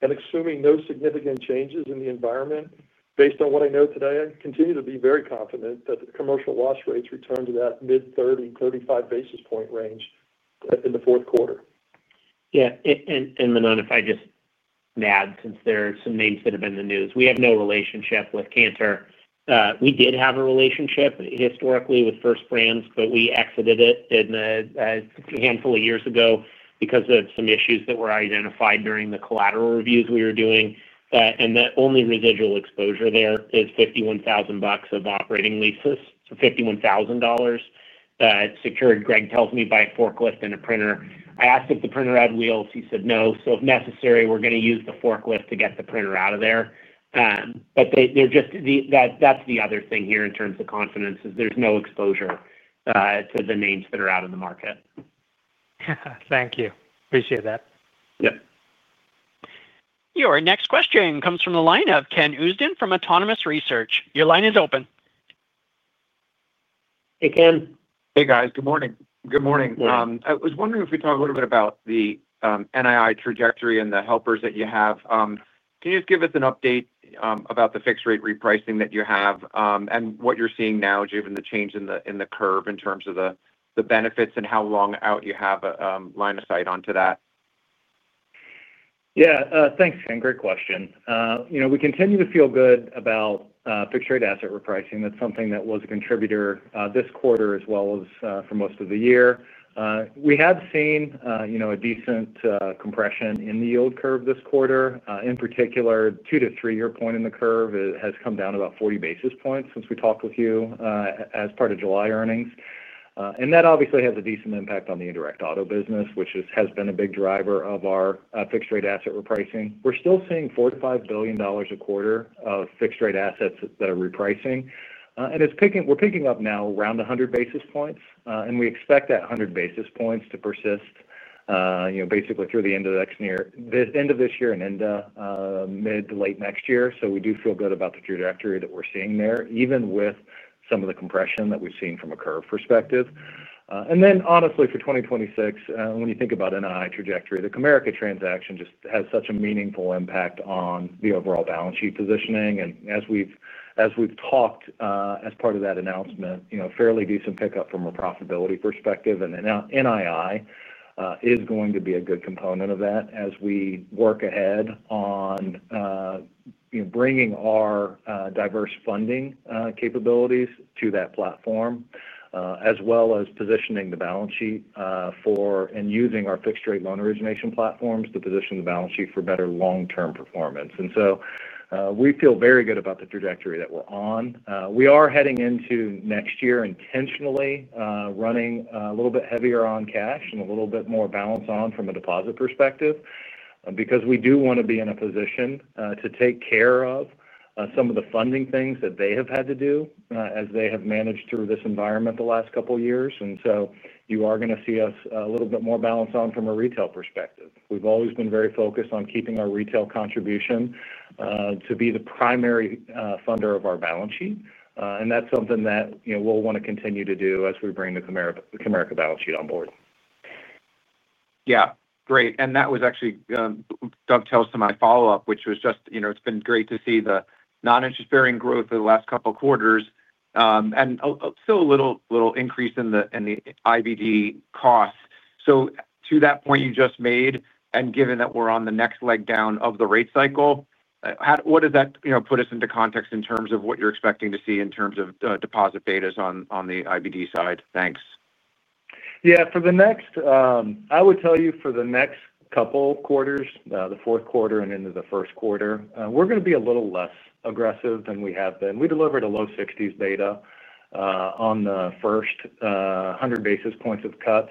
Assuming no significant changes in the environment, based on what I know today, I continue to be very confident that the commercial loss rates return to that mid-30, 35 basis point range in the fourth quarter. Yeah. Manan, if I just add, since there are some names that have been in the news, we have no relationship with Cantor. We did have a relationship historically with First Brands, but we exited it a handful of years ago because of some issues that were identified during the collateral reviews we were doing. The only residual exposure there is $51,000 of operating leases, $51,000 secured, Greg tells me, by a forklift and a printer. I asked if the printer had wheels. He said no. If necessary, we're going to use the forklift to get the printer out of there. That's the other thing here in terms of confidence, there is no exposure to the names that are out in the market. Thank you. Appreciate that. Yeah. Your next question comes from the line of Ken Usdin from Autonomous Research. Your line is open. Hey, Ken. Hey, guys. Good morning. Good morning. I was wondering if we talk a little bit about the NII trajectory and the helpers that you have. Can you just give us an update about the fixed-rate repricing that you have and what you're seeing now given the change in the curve in terms of the benefits and how long out you have a line of sight onto that? Yeah. Thanks, Ken. Great question. We continue to feel good about fixed-rate asset repricing. That's something that was a contributor this quarter as well as for most of the year. We have seen a decent compression in the yield curve this quarter. In particular, the two to three-year point in the curve has come down about 40 basis points since we talked with you as part of July earnings. That obviously has a decent impact on the indirect auto business, which has been a big driver of our fixed-rate asset repricing. We're still seeing $45 billion a quarter of fixed-rate assets that are repricing, and we're picking up now around 100 basis points. We expect that 100 basis points to persist basically through the end of this year and into mid to late next year. We do feel good about the trajectory that we're seeing there, even with some of the compression that we've seen from a curve perspective. Honestly, for 2026, when you think about NII trajectory, the Comerica Incorporated transaction just has such a meaningful impact on the overall balance sheet positioning. As we've talked as part of that announcement, a fairly decent pickup from a profitability perspective. NII is going to be a good component of that as we work ahead on bringing our diverse funding capabilities to that platform, as well as positioning the balance sheet for and using our fixed-rate loan origination platforms to position the balance sheet for better long-term performance. We feel very good about the trajectory that we're on. We are heading into next year intentionally running a little bit heavier on cash and a little bit more balance from a deposit perspective because we do want to be in a position to take care of some of the funding things that they have had to do as they have managed through this environment the last couple of years. You are going to see us a little bit more balanced from a retail perspective. We've always been very focused on keeping our retail contribution to be the primary funder of our balance sheet. That's something that, you know, we'll want to continue to do as we bring the Comerica balance sheet on board. Great. That was actually, that tells some of my follow-up, which was just, you know, it's been great to see the non-interest bearing growth over the last couple of quarters. Still a little increase in the IVD costs. To that point you just made, and given that we're on the next leg down of the rate cycle, what does that put us into context in terms of what you're expecting to see in terms of deposit data on the IVD side? Thanks. For the next, I would tell you for the next couple of quarters, the fourth quarter and into the first quarter, we're going to be a little less aggressive than we have been. We delivered a low 60% beta on the first 100 basis points of cuts.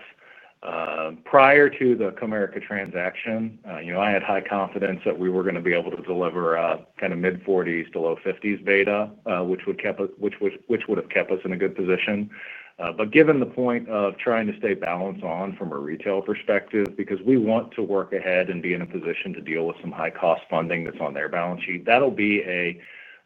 Prior to the Comerica transaction, I had high confidence that we were going to be able to deliver kind of mid-40% to low 50% beta, which would have kept us in a good position. Given the point of trying to stay balanced from a retail perspective, because we want to work ahead and be in a position to deal with some high-cost funding that's on their balance sheet, that'll be a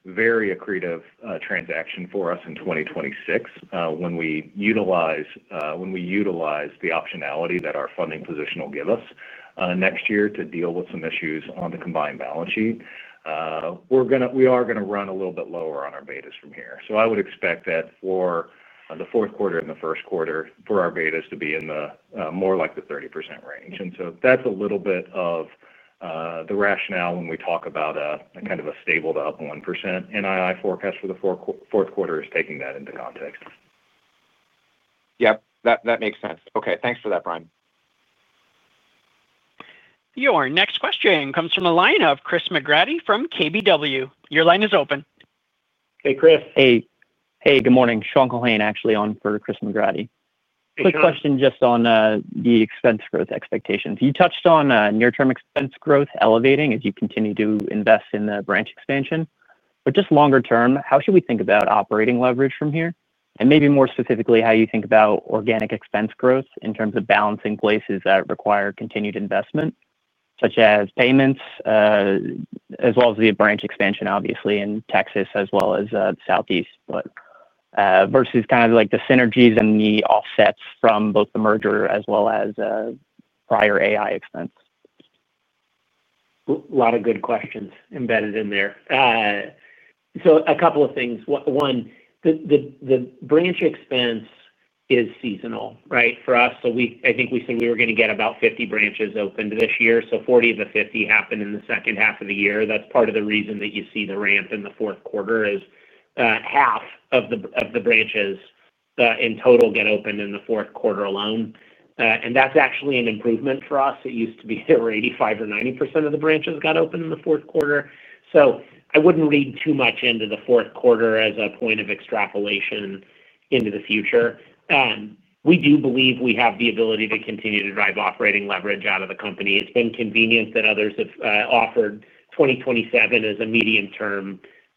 very accretive transaction for us in 2026 when we utilize the optionality that our funding position will give us next year to deal with some issues on the combined balance sheet. We are going to run a little bit lower on our betas from here. I would expect that for the fourth quarter and the first quarter, for our betas to be in the more like the 30% range. That's a little bit of the rationale when we talk about a kind of a stable to up 1% NII forecast for the fourth quarter is taking that into context. Yep, that makes sense. Okay, thanks for that, Bryan. Your next question comes from a line of Chris McGratty from KBW. Your line is open. Hey, Chris. Hey, good morning. Sean Culhane actually on for Chris McGratty. Quick question just on the expense growth expectations. You touched on near-term expense growth elevating as you continue to invest in the branch expansion. Just longer term, how should we think about operating leverage from here? Maybe more specifically, how do you think about organic expense growth in terms of balancing places that require continued investment, such as payments, as well as the branch expansion, obviously, in Texas, as well as the Southeast? Versus kind of like the synergies and the offsets from both the merger as well as prior AI expense. A lot of good questions embedded in there. A couple of things. One, the branch expense is seasonal, right, for us. I think we said we were going to get about 50 branches opened this year. 40 of the 50 happened in the second half of the year. That's part of the reason that you see the ramp in the fourth quarter is half of the branches in total get opened in the fourth quarter alone. That's actually an improvement for us. It used to be there were 85% or 90% of the branches got opened in the fourth quarter. I wouldn't read too much into the fourth quarter as a point of extrapolation into the future. We do believe we have the ability to continue to drive operating leverage out of the company. It's been convenient that others have offered 2027 as a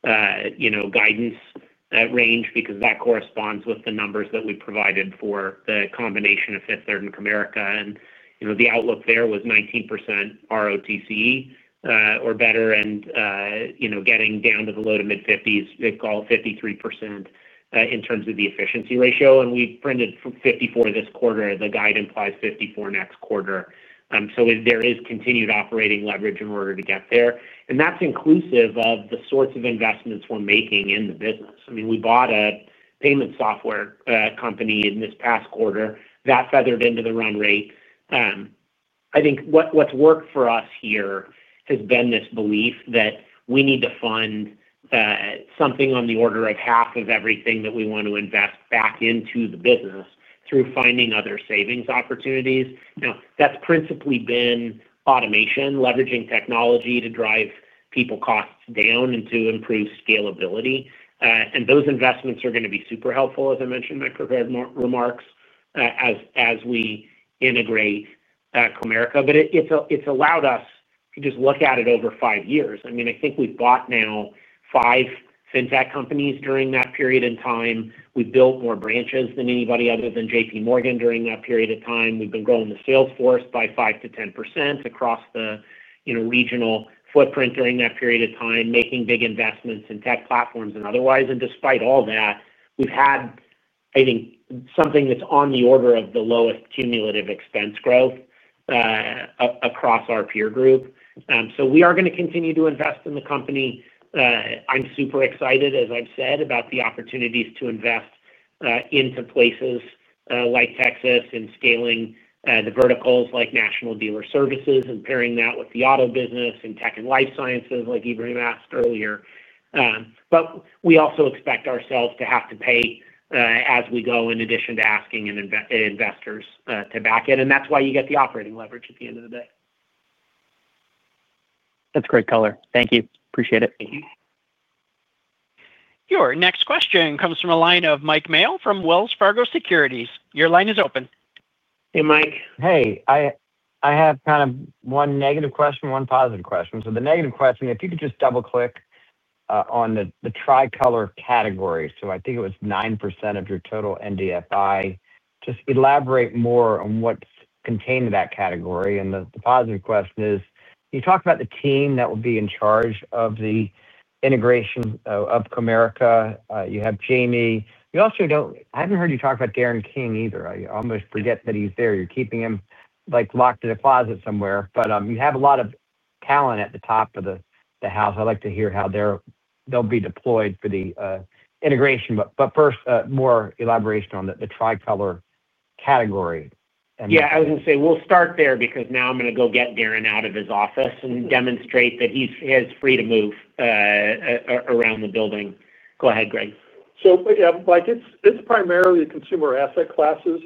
medium-term guidance range because that corresponds with the numbers that we provided for the combination of Fifth Third and Comerica. The outlook there was 19% ROTC or better, and getting down to the low to mid 50s, they call it 53% in terms of the efficiency ratio. We printed 54 this quarter. The guide implies 54 next quarter. There is continued operating leverage in order to get there, and that's inclusive of the sorts of investments we're making in the business. We bought a payment software company in this past quarter that feathered into the run rate. I think what's worked for us here has been this belief that we need to fund something on the order of half of everything that we want to invest back into the business through finding other savings opportunities. That's principally been automation, leveraging technology to drive people costs down and to improve scalability. Those investments are going to be super helpful, as I mentioned in my prepared remarks, as we integrate Comerica. It's allowed us to just look at it over five years. I think we've bought now five fintech companies during that period in time. We've built more branches than anybody other than JPMorgan during that period of time. We've been growing the sales force by 5%-10% across the regional footprint during that period of time, making big investments in tech platforms and otherwise. Despite all that, we've had, I think, something that's on the order of the lowest cumulative expense growth across our peer group. We are going to continue to invest in the company. I'm super excited, as I've said, about the opportunities to invest into places like Texas and scaling the verticals like National Dealer Services and pairing that with the auto business and tech and life sciences like Ebrahim asked earlier. We also expect ourselves to have to pay as we go in addition to asking investors to back it. That's why you get the operating leverage at the end of the day. That's great color. Thank you. Appreciate it. Thank you. Your next question comes from a line of Mike Mayo from Wells Fargo Securities. Your line is open. Hey, Mike. Hey, I have kind of one negative question, one positive question. The negative question, if you could just double-click on the Tricolor category. I think it was 9% of your total NDFI. Just elaborate more on what's contained in that category. The positive question is, you talked about the team that will be in charge of the integration of Comerica. You have Jamie. I haven't heard you talk about Darren King either. I almost forget that he's there. You're keeping him like locked in a closet somewhere. You have a lot of talent at the top of the house. I'd like to hear how they'll be deployed for the integration. First, more elaboration on the Tricolor category. Yeah, I was going to say, we'll start there because now I'm going to go get Darren out of his office and demonstrate that he's free to move around the building. Go ahead, Greg. Mike, it's primarily consumer asset classes.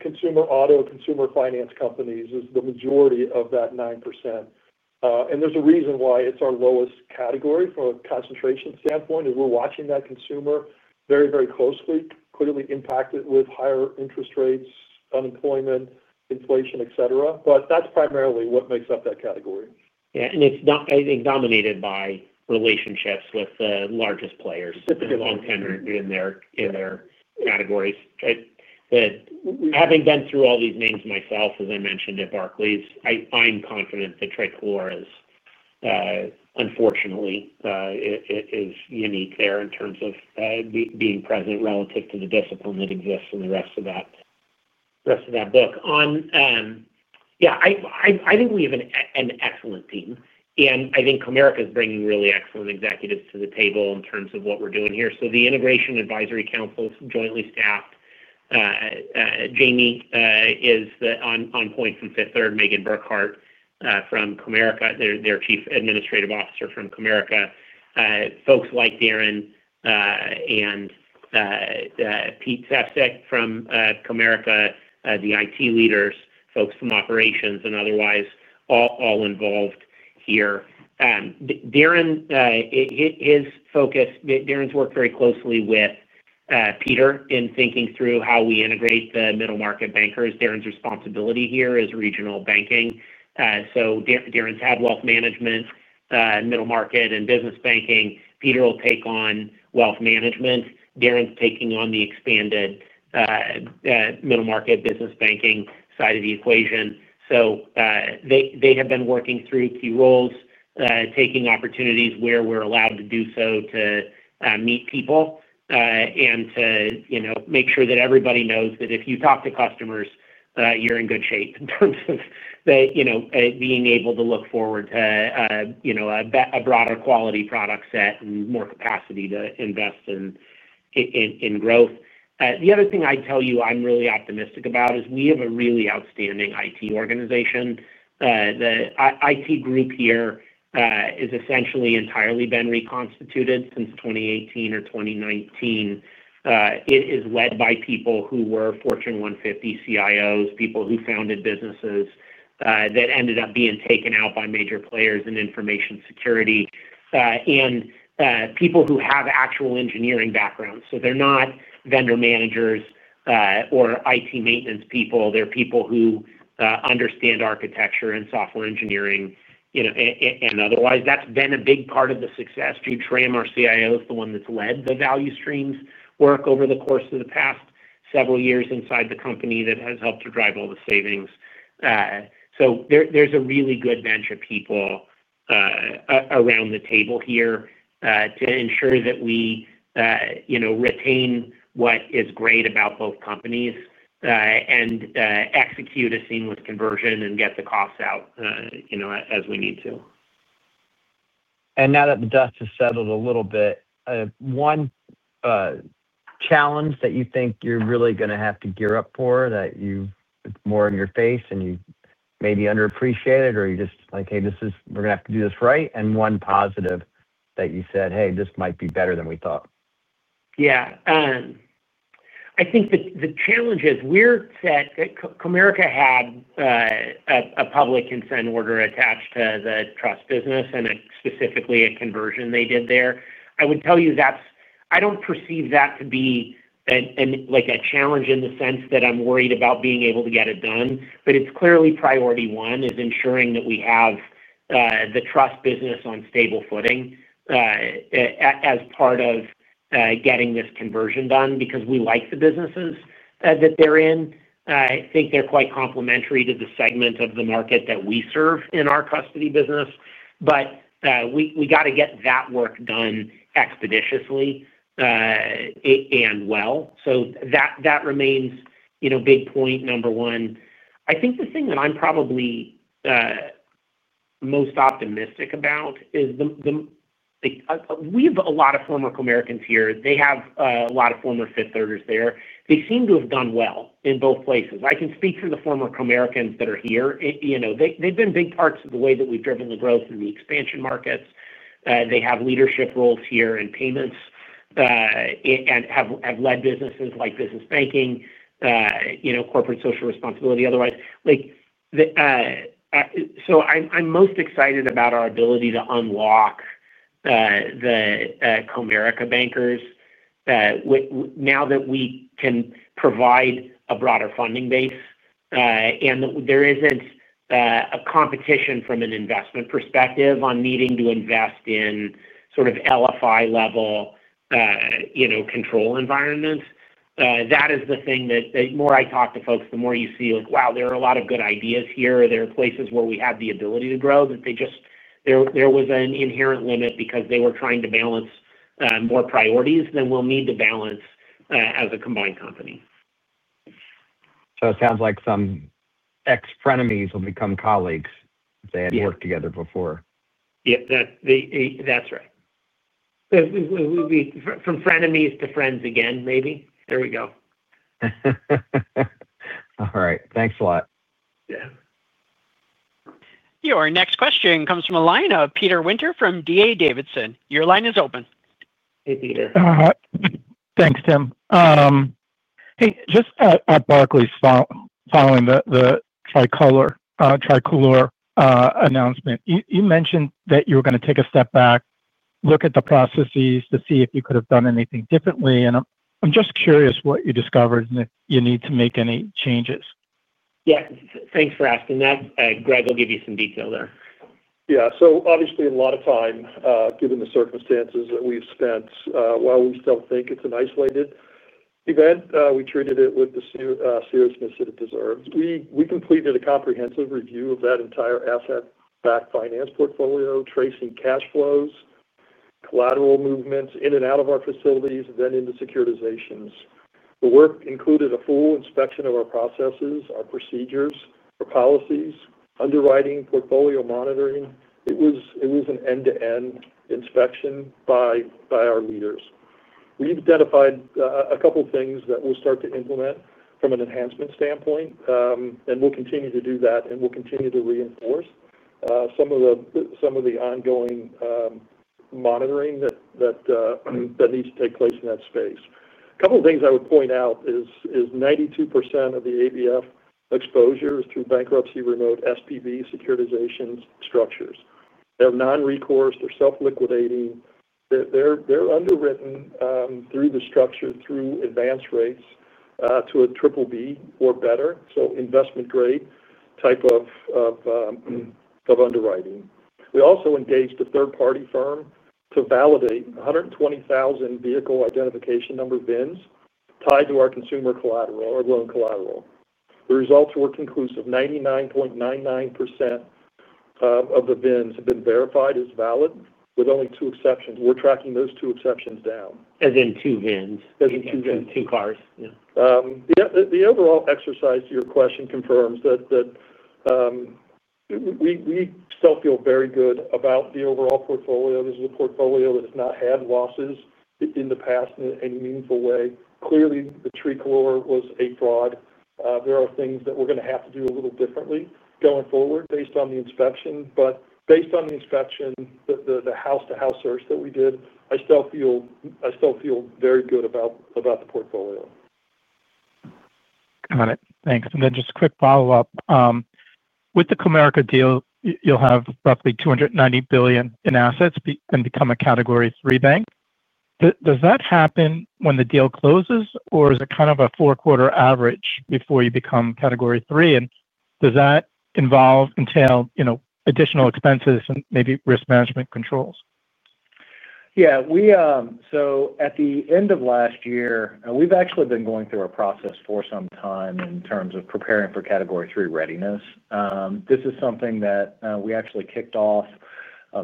Consumer auto, consumer finance companies is the majority of that 9%. There's a reason why it's our lowest category from a concentration standpoint, as we're watching that consumer very, very closely, clearly impacted with higher interest rates, unemployment, inflation, etc. That's primarily what makes up that category. Yeah, it's dominated by relationships with the largest players. Typically, long-term in their categories. Having been through all these names myself, as I mentioned at Barclays, I'm confident that Tricolor is, unfortunately, unique there in terms of being present relative to the discipline that exists in the rest of that book. I think we have an excellent team. I think Comerica is bringing really excellent executives to the table in terms of what we're doing here. The Integration Advisory Council is jointly staffed. Jamie is on point from Fifth Third, Megan Burkhart from Comerica, their Chief Administrative Officer from Comerica, folks like Darren, and Pete Sefcik from Comerica, the IT leaders, folks from operations, and otherwise all involved here. Darren's worked very closely with Peter in thinking through how we integrate the middle market bankers. Darren's responsibility here is regional banking. Darren's had wealth management, middle market, and business banking. Peter will take on wealth management. Darren's taking on the expanded middle market business banking side of the equation. They have been working through key roles, taking opportunities where we're allowed to do so to meet people and to make sure that everybody knows that if you talk to customers, you're in good shape in terms of being able to look forward to a broader quality product set and more capacity to invest in growth. The other thing I'd tell you I'm really optimistic about is we have a really outstanding IT organization. The IT group here has essentially entirely been reconstituted since 2018 or 2019. It is led by people who were Fortune 150 CIOs, people who founded businesses that ended up being taken out by major players in information security, and people who have actual engineering backgrounds. They're not vendor managers or IT maintenance people. They're people who understand architecture and software engineering and otherwise. That's been a big part of the success. Jude Schramm, our CIO, is the one that's led the value streams work over the course of the past several years inside the company that has helped to drive all the savings. There's a really good bench of people around the table here to ensure that we retain what is great about both companies and execute a seamless conversion and get the costs out as we need to. Now that the dust has settled a little bit, one challenge that you think you're really going to have to gear up for that you've more in your face and you maybe underappreciated, or you're just like, "Hey, we're going to have to do this right," and one positive that you said, "Hey, this might be better than we thought. Yeah. I think the challenge is we're set Comerica had a public consent order attached to the trust business and specifically a conversion they did there. I would tell you that I don't perceive that to be like a challenge in the sense that I'm worried about being able to get it done, but it's clearly priority one is ensuring that we have the trust business on stable footing as part of getting this conversion done because we like the businesses that they're in. I think they're quite complementary to the segment of the market that we serve in our custody business. We got to get that work done expeditiously and well. That remains, you know, big point number one. I think the thing that I'm probably most optimistic about is we have a lot of former Comericans here. They have a lot of former Fifth Thirders there. They seem to have done well in both places. I can speak for the former Comericans that are here. They've been big parts of the way that we've driven the growth in the expansion markets. They have leadership roles here in payments and have led businesses like business banking, corporate social responsibility otherwise. I'm most excited about our ability to unlock the Comerica bankers now that we can provide a broader funding base. There isn't a competition from an investment perspective on needing to invest in sort of LFI level, you know, control environments. That is the thing that the more I talk to folks, the more you see like, wow, there are a lot of good ideas here. There are places where we have the ability to grow that they just there was an inherent limit because they were trying to balance more priorities than we'll need to balance as a combined company. It sounds like some ex-frenemies will become colleagues if they had worked together before. Yeah, that's right. It would be from frenemies to friends again, maybe. There we go. All right, thanks a lot. Your next question comes from a line of Peter Winter from D.A. Davidson. Your line is open. Hey, Peter. Thanks, Tim. Hey, just at Barclays following the Tricolor announcement, you mentioned that you were going to take a step back, look at the processes to see if you could have done anything differently. I'm just curious what you discovered. If you need to make any changes. Yeah. Thanks for asking. Greg will give you some detail there. Yeah. Obviously, a lot of time, given the circumstances that we've spent, while we still think it's an isolated event, we treated it with the seriousness that it deserves. We completed a comprehensive review of that entire asset-backed finance portfolio, tracing cash flows, collateral movements in and out of our facilities, and then into securitizations. The work included a full inspection of our processes, our procedures, our policies, underwriting, portfolio monitoring. It was an end-to-end inspection by our leaders. We've identified a couple of things that we'll start to implement from an enhancement standpoint, and we'll continue to do that, and we'll continue to reinforce some of the ongoing monitoring that needs to take place in that space. A couple of things I would point out is 92% of the ABF exposure is through bankruptcy remote SPV securitization structures. They're non-recourse. They're self-liquidating. They're underwritten through the structure, through advanced rates, to a triple B or better, so investment-grade type of underwriting. We also engaged a third-party firm to validate 120,000 vehicle identification number VINs tied to our consumer collateral or loan collateral. The results were conclusive. 99.99% of the VINs have been verified as valid with only two exceptions. We're tracking those two exceptions down. As in two VINs? As in two VINs. As in two cars? Yeah. Yeah. The overall exercise to your question confirms that we feel very good about the overall portfolio. This is a portfolio that has not had losses in the past in any meaningful way. Clearly, the Tricolor was a fraud. There are things that we're going to have to do a little differently going forward based on the inspection. Based on the inspection, the house-to-house search that we did, I still feel very good about the portfolio. Got it. Thanks. Just a quick follow-up. With the Comerica deal, you'll have roughly $290 billion in assets and become a Category III bank. Does that happen when the deal closes, or is it kind of a four-quarter average before you become Category III? Does that entail, you know, additional expenses and maybe risk management controls? Yeah. At the end of last year, we've actually been going through a process for some time in terms of preparing for Category III readiness. This is something that we actually kicked off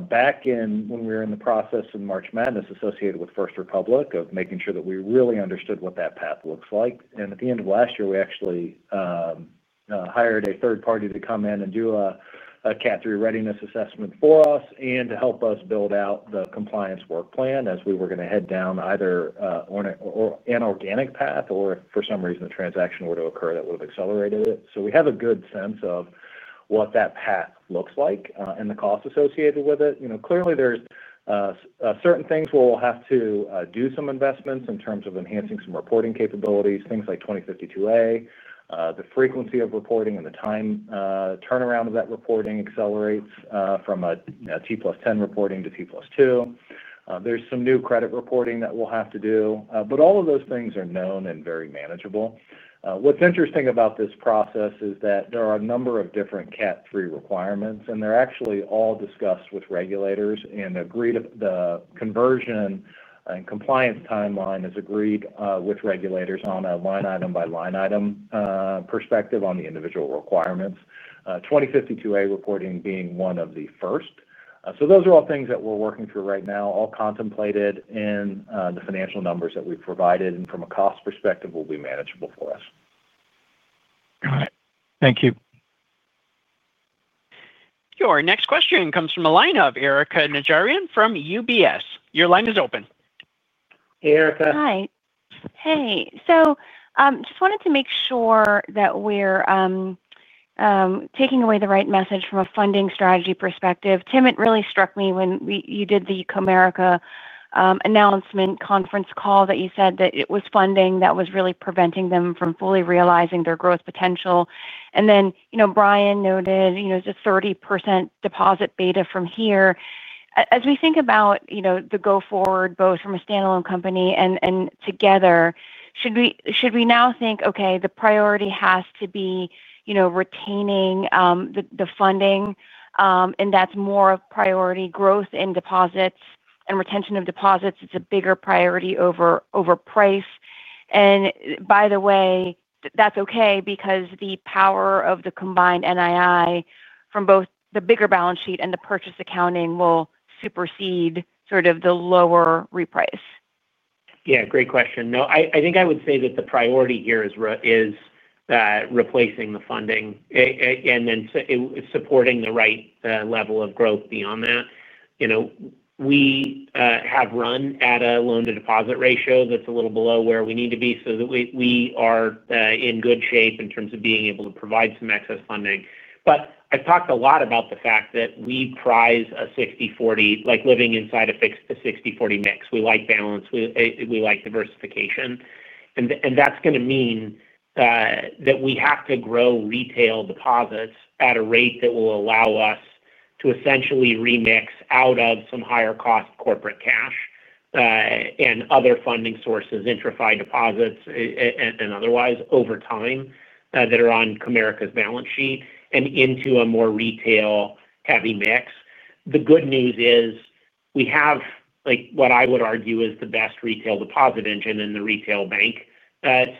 back when we were in the process in March Madness associated with First Republic, making sure that we really understood what that path looks like. At the end of last year, we actually hired a third party to come in and do a Cat III readiness assessment for us and to help us build out the compliance work plan as we were going to head down either on an organic path or if for some reason a transaction were to occur that would have accelerated it. We have a good sense of what that path looks like and the cost associated with it. You know, clearly, there are certain things where we'll have to do some investments in terms of enhancing some reporting capabilities, things like 2052A, the frequency of reporting and the turnaround time of that reporting accelerates from a T+10 reporting to T+2. There's some new credit reporting that we'll have to do, but all of those things are known and very manageable. What's interesting about this process is that there are a number of different Cat III requirements, and they're actually all discussed with regulators and agreed upon. The conversion and compliance timeline is agreed with regulators on a line item by line item perspective on the individual requirements, 2052A reporting being one of the first. Those are all things that we're working through right now, all contemplated in the financial numbers that we've provided. From a cost perspective, it will be manageable for us. Got it. Thank you. Your next question comes from a line of Erika Najarian from UBS. Your line is open. Hey, Erika. Hi. Just wanted to make sure that we're taking away the right message from a funding strategy perspective. Tim, it really struck me when you did the Comerica announcement conference call that you said that it was funding that was really preventing them from fully realizing their growth potential. Bryan noted it's a 30% deposit beta from here. As we think about the go-forward both from a standalone company and together, should we now think, okay, the priority has to be retaining the funding, and that's more of a priority—growth in deposits and retention of deposits. It's a bigger priority over price. By the way, that's okay because the power of the combined NII from both the bigger balance sheet and the purchase accounting will supersede sort of the lower reprice. Great question. I think I would say that the priority here is replacing the funding and then supporting the right level of growth beyond that. You know, we have run at a loan-to-deposit ratio that's a little below where we need to be so that we are in good shape in terms of being able to provide some excess funding. I've talked a lot about the fact that we prize a 60/40, like living inside a fixed 60/40 mix. We like balance. We like diversification. That is going to mean that we have to grow retail deposits at a rate that will allow us to essentially remix out of some higher-cost corporate cash and other funding sources, enterified deposits, and otherwise over time, that are on Comerica's balance sheet and into a more retail-heavy mix. The good news is we have what I would argue is the best retail deposit engine in the retail bank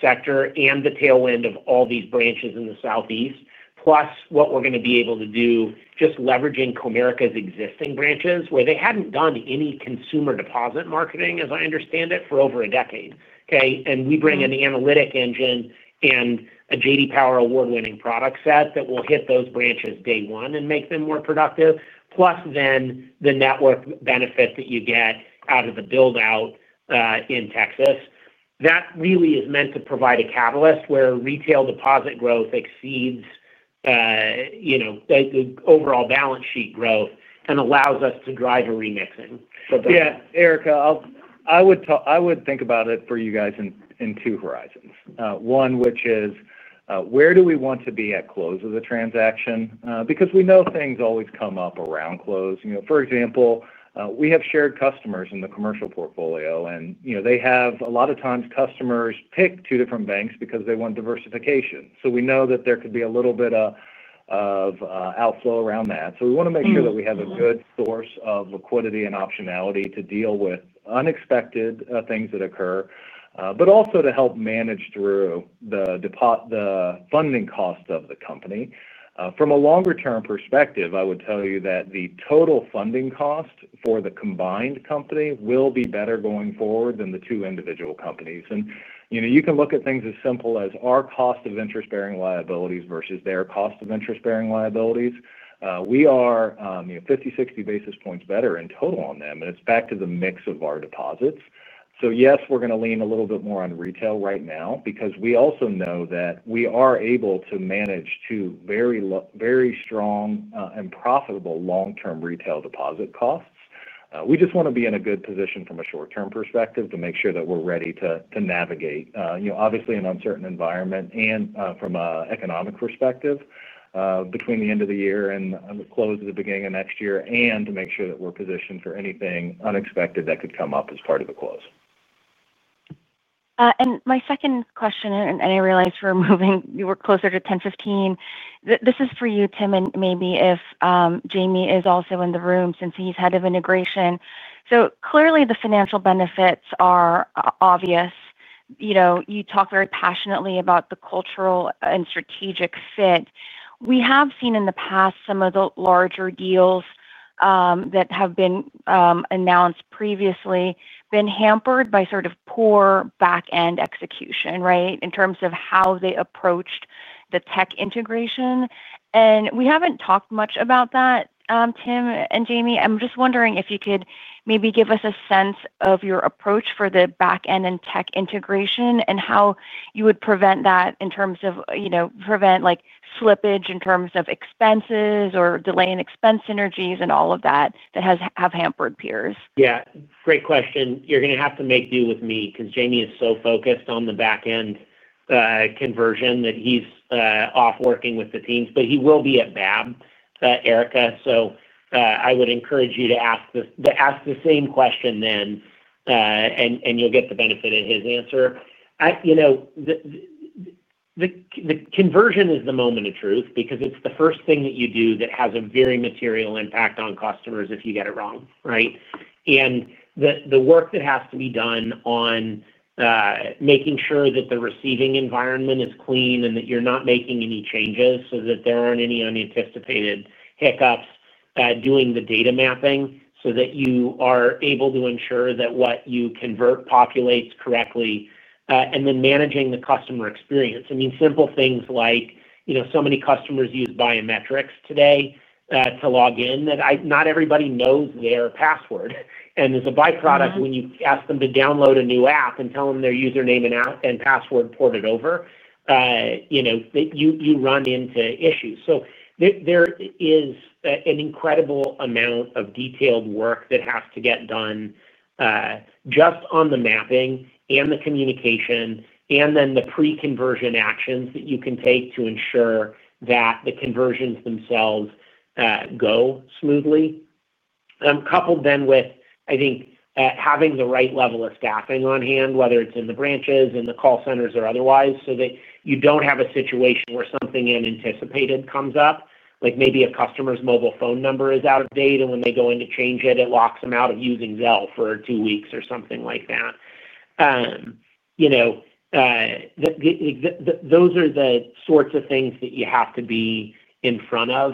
sector and the tailwind of all these branches in the Southeast, plus what we're going to be able to do just leveraging Comerica's existing branches where they hadn't done any consumer deposit marketing, as I understand it, for over a decade. We bring an analytic engine and a J.D. Power award-winning product set that will hit those branches day one and make them more productive, plus the network benefit that you get out of the build-out in Texas. That really is meant to provide a catalyst where retail deposit growth exceeds the overall balance sheet growth and allows us to drive a remixing. Yeah. Erika, I would think about it for you guys in two horizons. One, which is, where do we want to be at close of the transaction? Because we know things always come up around close. For example, we have shared customers in the commercial portfolio, and they have a lot of times customers pick two different banks because they want diversification. We know that there could be a little bit of outflow around that. We want to make sure that we have a good source of liquidity and optionality to deal with unexpected things that occur, but also to help manage through the funding cost of the company. From a longer-term perspective, I would tell you that the total funding cost for the combined company will be better going forward than the two individual companies. You can look at things as simple as our cost of interest-bearing liabilities versus their cost of interest-bearing liabilities. We are, you know, 50, 60 basis points better in total on them. It's back to the mix of our deposits. Yes, we're going to lean a little bit more on retail right now because we also know that we are able to manage two very strong and profitable long-term retail deposit costs. We just want to be in a good position from a short-term perspective to make sure that we're ready to navigate, obviously, an uncertain environment and, from an economic perspective, between the end of the year and close of the beginning of next year and to make sure that we're positioned for anything unexpected that could come up as part of the close. My second question, I realize we're moving you closer to 10/15. This is for you, Tim, and maybe if Jamie is also in the room since he's Head of Integration. Clearly, the financial benefits are obvious. You talk very passionately about the cultural and strategic fit. We have seen in the past some of the larger deals that have been announced previously been hampered by sort of poor back-end execution in terms of how they approached the tech integration. We haven't talked much about that, Tim and Jamie. I'm just wondering if you could maybe give us a sense of your approach for the back-end and tech integration and how you would prevent that in terms of, you know, prevent slippage in terms of expenses or delay in expense synergies and all of that that have hampered peers. Yeah. Great question. You are going to have to make do with me because Jamie is so focused on the back-end conversion that he's off working with the teams. He will be at Bab, Erika. I would encourage you to ask the same question then, and you'll get the benefit of his answer. The conversion is the moment of truth because it's the first thing that you do that has a very material impact on customers if you get it wrong, right? The work that has to be done on making sure that the receiving environment is clean and that you're not making any changes so that there aren't any unanticipated hiccups, doing the data mapping so that you are able to ensure that what you convert populates correctly, and then managing the customer experience. I mean, simple things like, you know, so many customers use biometrics today to log in that not everybody knows their password. As a byproduct, when you ask them to download a new app and tell them their username and password ported over, you know, you run into issues. There is an incredible amount of detailed work that has to get done just on the mapping and the communication and then the pre-conversion actions that you can take to ensure that the conversions themselves go smoothly. Coupled then with, I think, having the right level of staffing on hand, whether it's in the branches, in the call centers, or otherwise, so that you don't have a situation where something unanticipated comes up, like maybe a customer's mobile phone number is out of date, and when they go in to change it, it locks them out of using Zelle for two weeks or something like that. Those are the sorts of things that you have to be in front of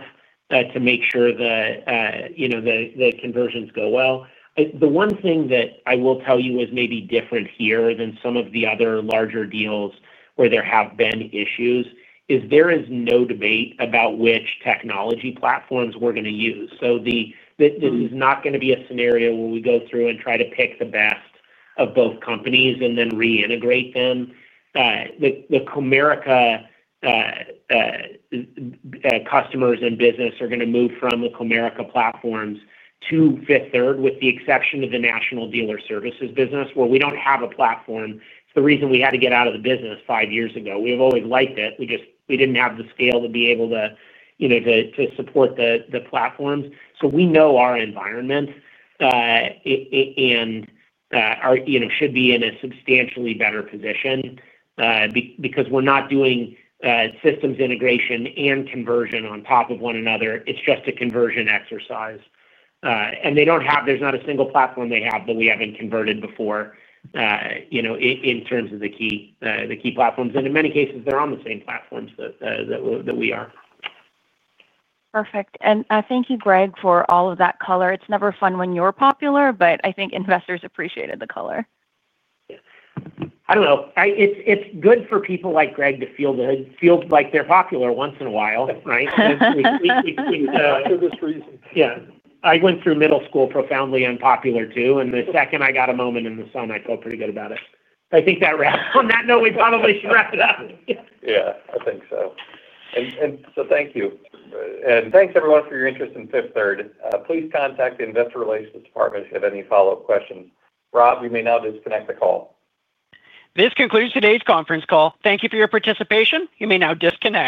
to make sure the conversions go well. The one thing that I will tell you is maybe different here than some of the other larger deals where there have been issues is there is no debate about which technology platforms we are going to use. This is not going to be a scenario where we go through and try to pick the best of both companies and then reintegrate them. The Comerica customers and business are going to move from the Comerica platforms to Fifth Third with the exception of the national dealer services business where we don't have a platform. It's the reason we had to get out of the business five years ago. We have always liked it. We just didn't have the scale to be able to, you know, to support the platforms. We know our environment, and we should be in a substantially better position because we're not doing systems integration and conversion on top of one another. It's just a conversion exercise, and there's not a single platform they have that we haven't converted before in terms of the key platforms. In many cases, they're on the same platforms that we are. Perfect. Thank you, Greg, for all of that color. It's never fun when you're popular, but I think investors appreciated the color. Yeah. I don't know. It's good for people like Greg to feel like they're popular once in a while, right? We, we, we. For this reason. Yeah, I went through middle school profoundly unpopular too. The second I got a moment in the sun, I felt pretty good about it. I think that wraps on that note, we probably should wrap it up. I think so. Thank you, and. Thanks, everyone, for your interest in Fifth Third. Please contact the investor relations department if you have any follow-up questions. Rob, we may now disconnect the call. This concludes today's conference call. Thank you for your participation. You may now disconnect.